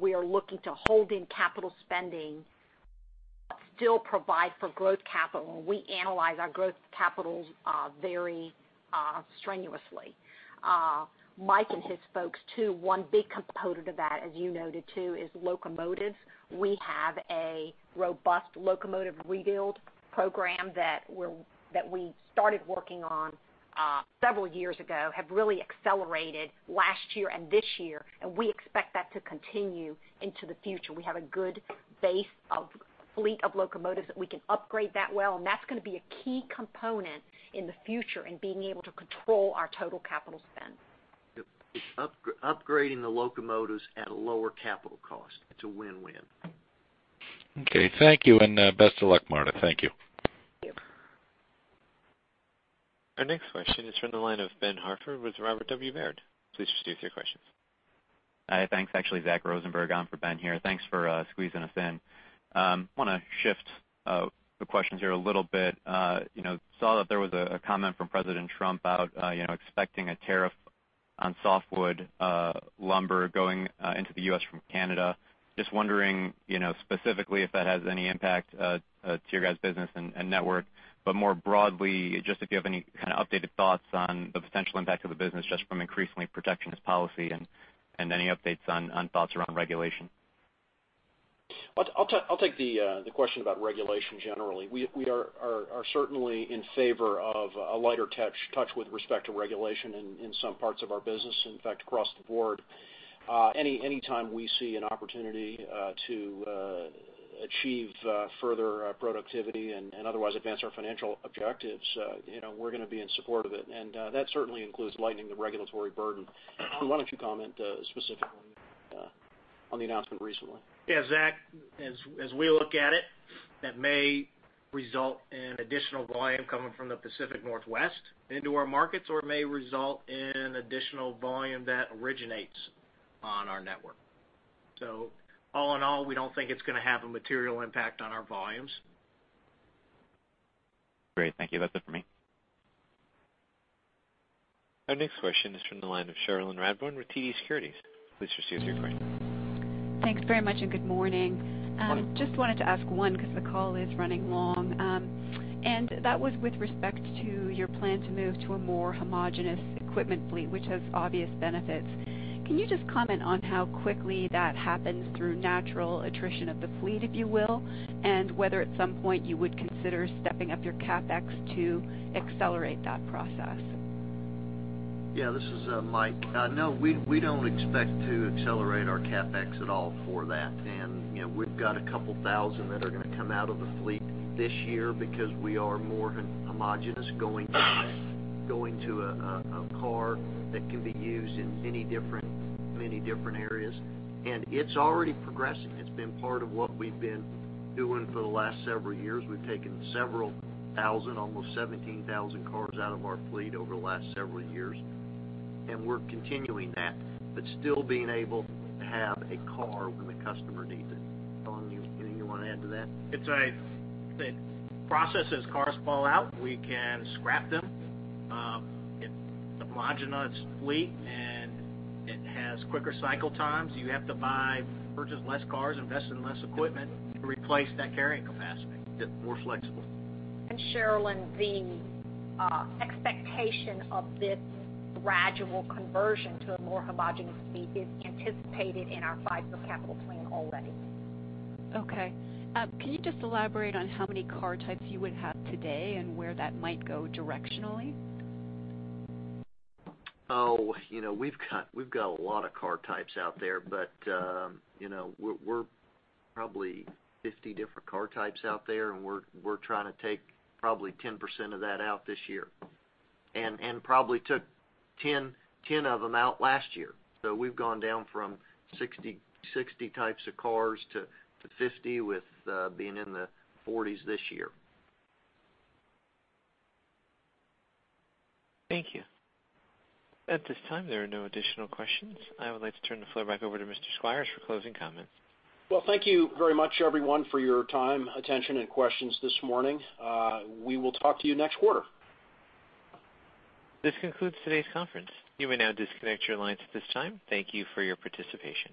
we are looking to hold in capital spending, but still provide for growth capital. We analyze our growth capitals very strenuously. Mike and his folks, too, one big component of that, as you noted, too, is locomotives. We have a robust locomotive rebuild program that we started working on several years ago, have really accelerated last year and this year, and we expect that to continue into the future. We have a good base of fleet of locomotives that we can upgrade that well, and that's going to be a key component in the future in being able to control our total capital spend. Yep. Upgrading the locomotives at a lower capital cost. It's a win-win. Okay. Thank you, and best of luck, Marta. Thank you. Thank you. Our next question is from the line of Ben Hartford with Robert W. Baird. Please proceed with your question Thanks. Actually, Zach Rosenberg on for Ben here. Thanks for squeezing us in. I want to shift the questions here a little bit. Saw that there was a comment from President Trump out expecting a tariff on softwood lumber going into the U.S. from Canada. Just wondering specifically if that has any impact to your guys' business and network, but more broadly, just if you have any kind of updated thoughts on the potential impact of the business just from increasingly protectionist policy and any updates on thoughts around regulation. I'll take the question about regulation generally. We are certainly in favor of a lighter touch with respect to regulation in some parts of our business, in fact, across the board. Any time we see an opportunity to achieve further productivity and otherwise advance our financial objectives, we're going to be in support of it. That certainly includes lightening the regulatory burden. Why don't you comment specifically on the announcement recently? Yeah, Zach, as we look at it, that may result in additional volume coming from the Pacific Northwest into our markets, or it may result in additional volume that originates on our network. All in all, we don't think it's going to have a material impact on our volumes. Great. Thank you. That's it for me. Our next question is from the line of Cherilyn Radbourne with TD Securities. Please proceed with your question. Thanks very much, good morning. Morning. Just wanted to ask one because the call is running long. That was with respect to your plan to move to a more homogenous equipment fleet, which has obvious benefits. Can you just comment on how quickly that happens through natural attrition of the fleet, if you will, and whether at some point you would consider stepping up your CapEx to accelerate that process? Yeah, this is Mike. No, we don't expect to accelerate our CapEx at all for that. We've got a couple of 2,000 that are going to come out of the fleet this year because we are more homogenous going to a car that can be used in many different areas. It's already progressing. It's been part of what we've been doing for the last several years. We've taken several thousand, almost 17,000 cars out of our fleet over the last several years, and we're continuing that, but still being able to have a car when the customer needs it. Alan, anything you want to add to that? It's a process. As cars fall out, we can scrap them. It's a homogenous fleet. It has quicker cycle times. You have to purchase less cars, invest in less equipment to replace that carrying capacity. Get more flexible. Cherilyn, the expectation of this gradual conversion to a more homogenous fleet is anticipated in our five-year capital plan already. Okay. Can you just elaborate on how many car types you would have today and where that might go directionally? We've got a lot of car types out there, we're probably 50 different car types out there, we're trying to take probably 10% of that out this year. Probably took 10 of them out last year. We've gone down from 60 types of cars to 50 with being in the 40s this year. Thank you. At this time, there are no additional questions. I would like to turn the floor back over to Mr. Squires for closing comments. Thank you very much, everyone, for your time, attention, and questions this morning. We will talk to you next quarter. This concludes today's conference. You may now disconnect your lines at this time. Thank you for your participation.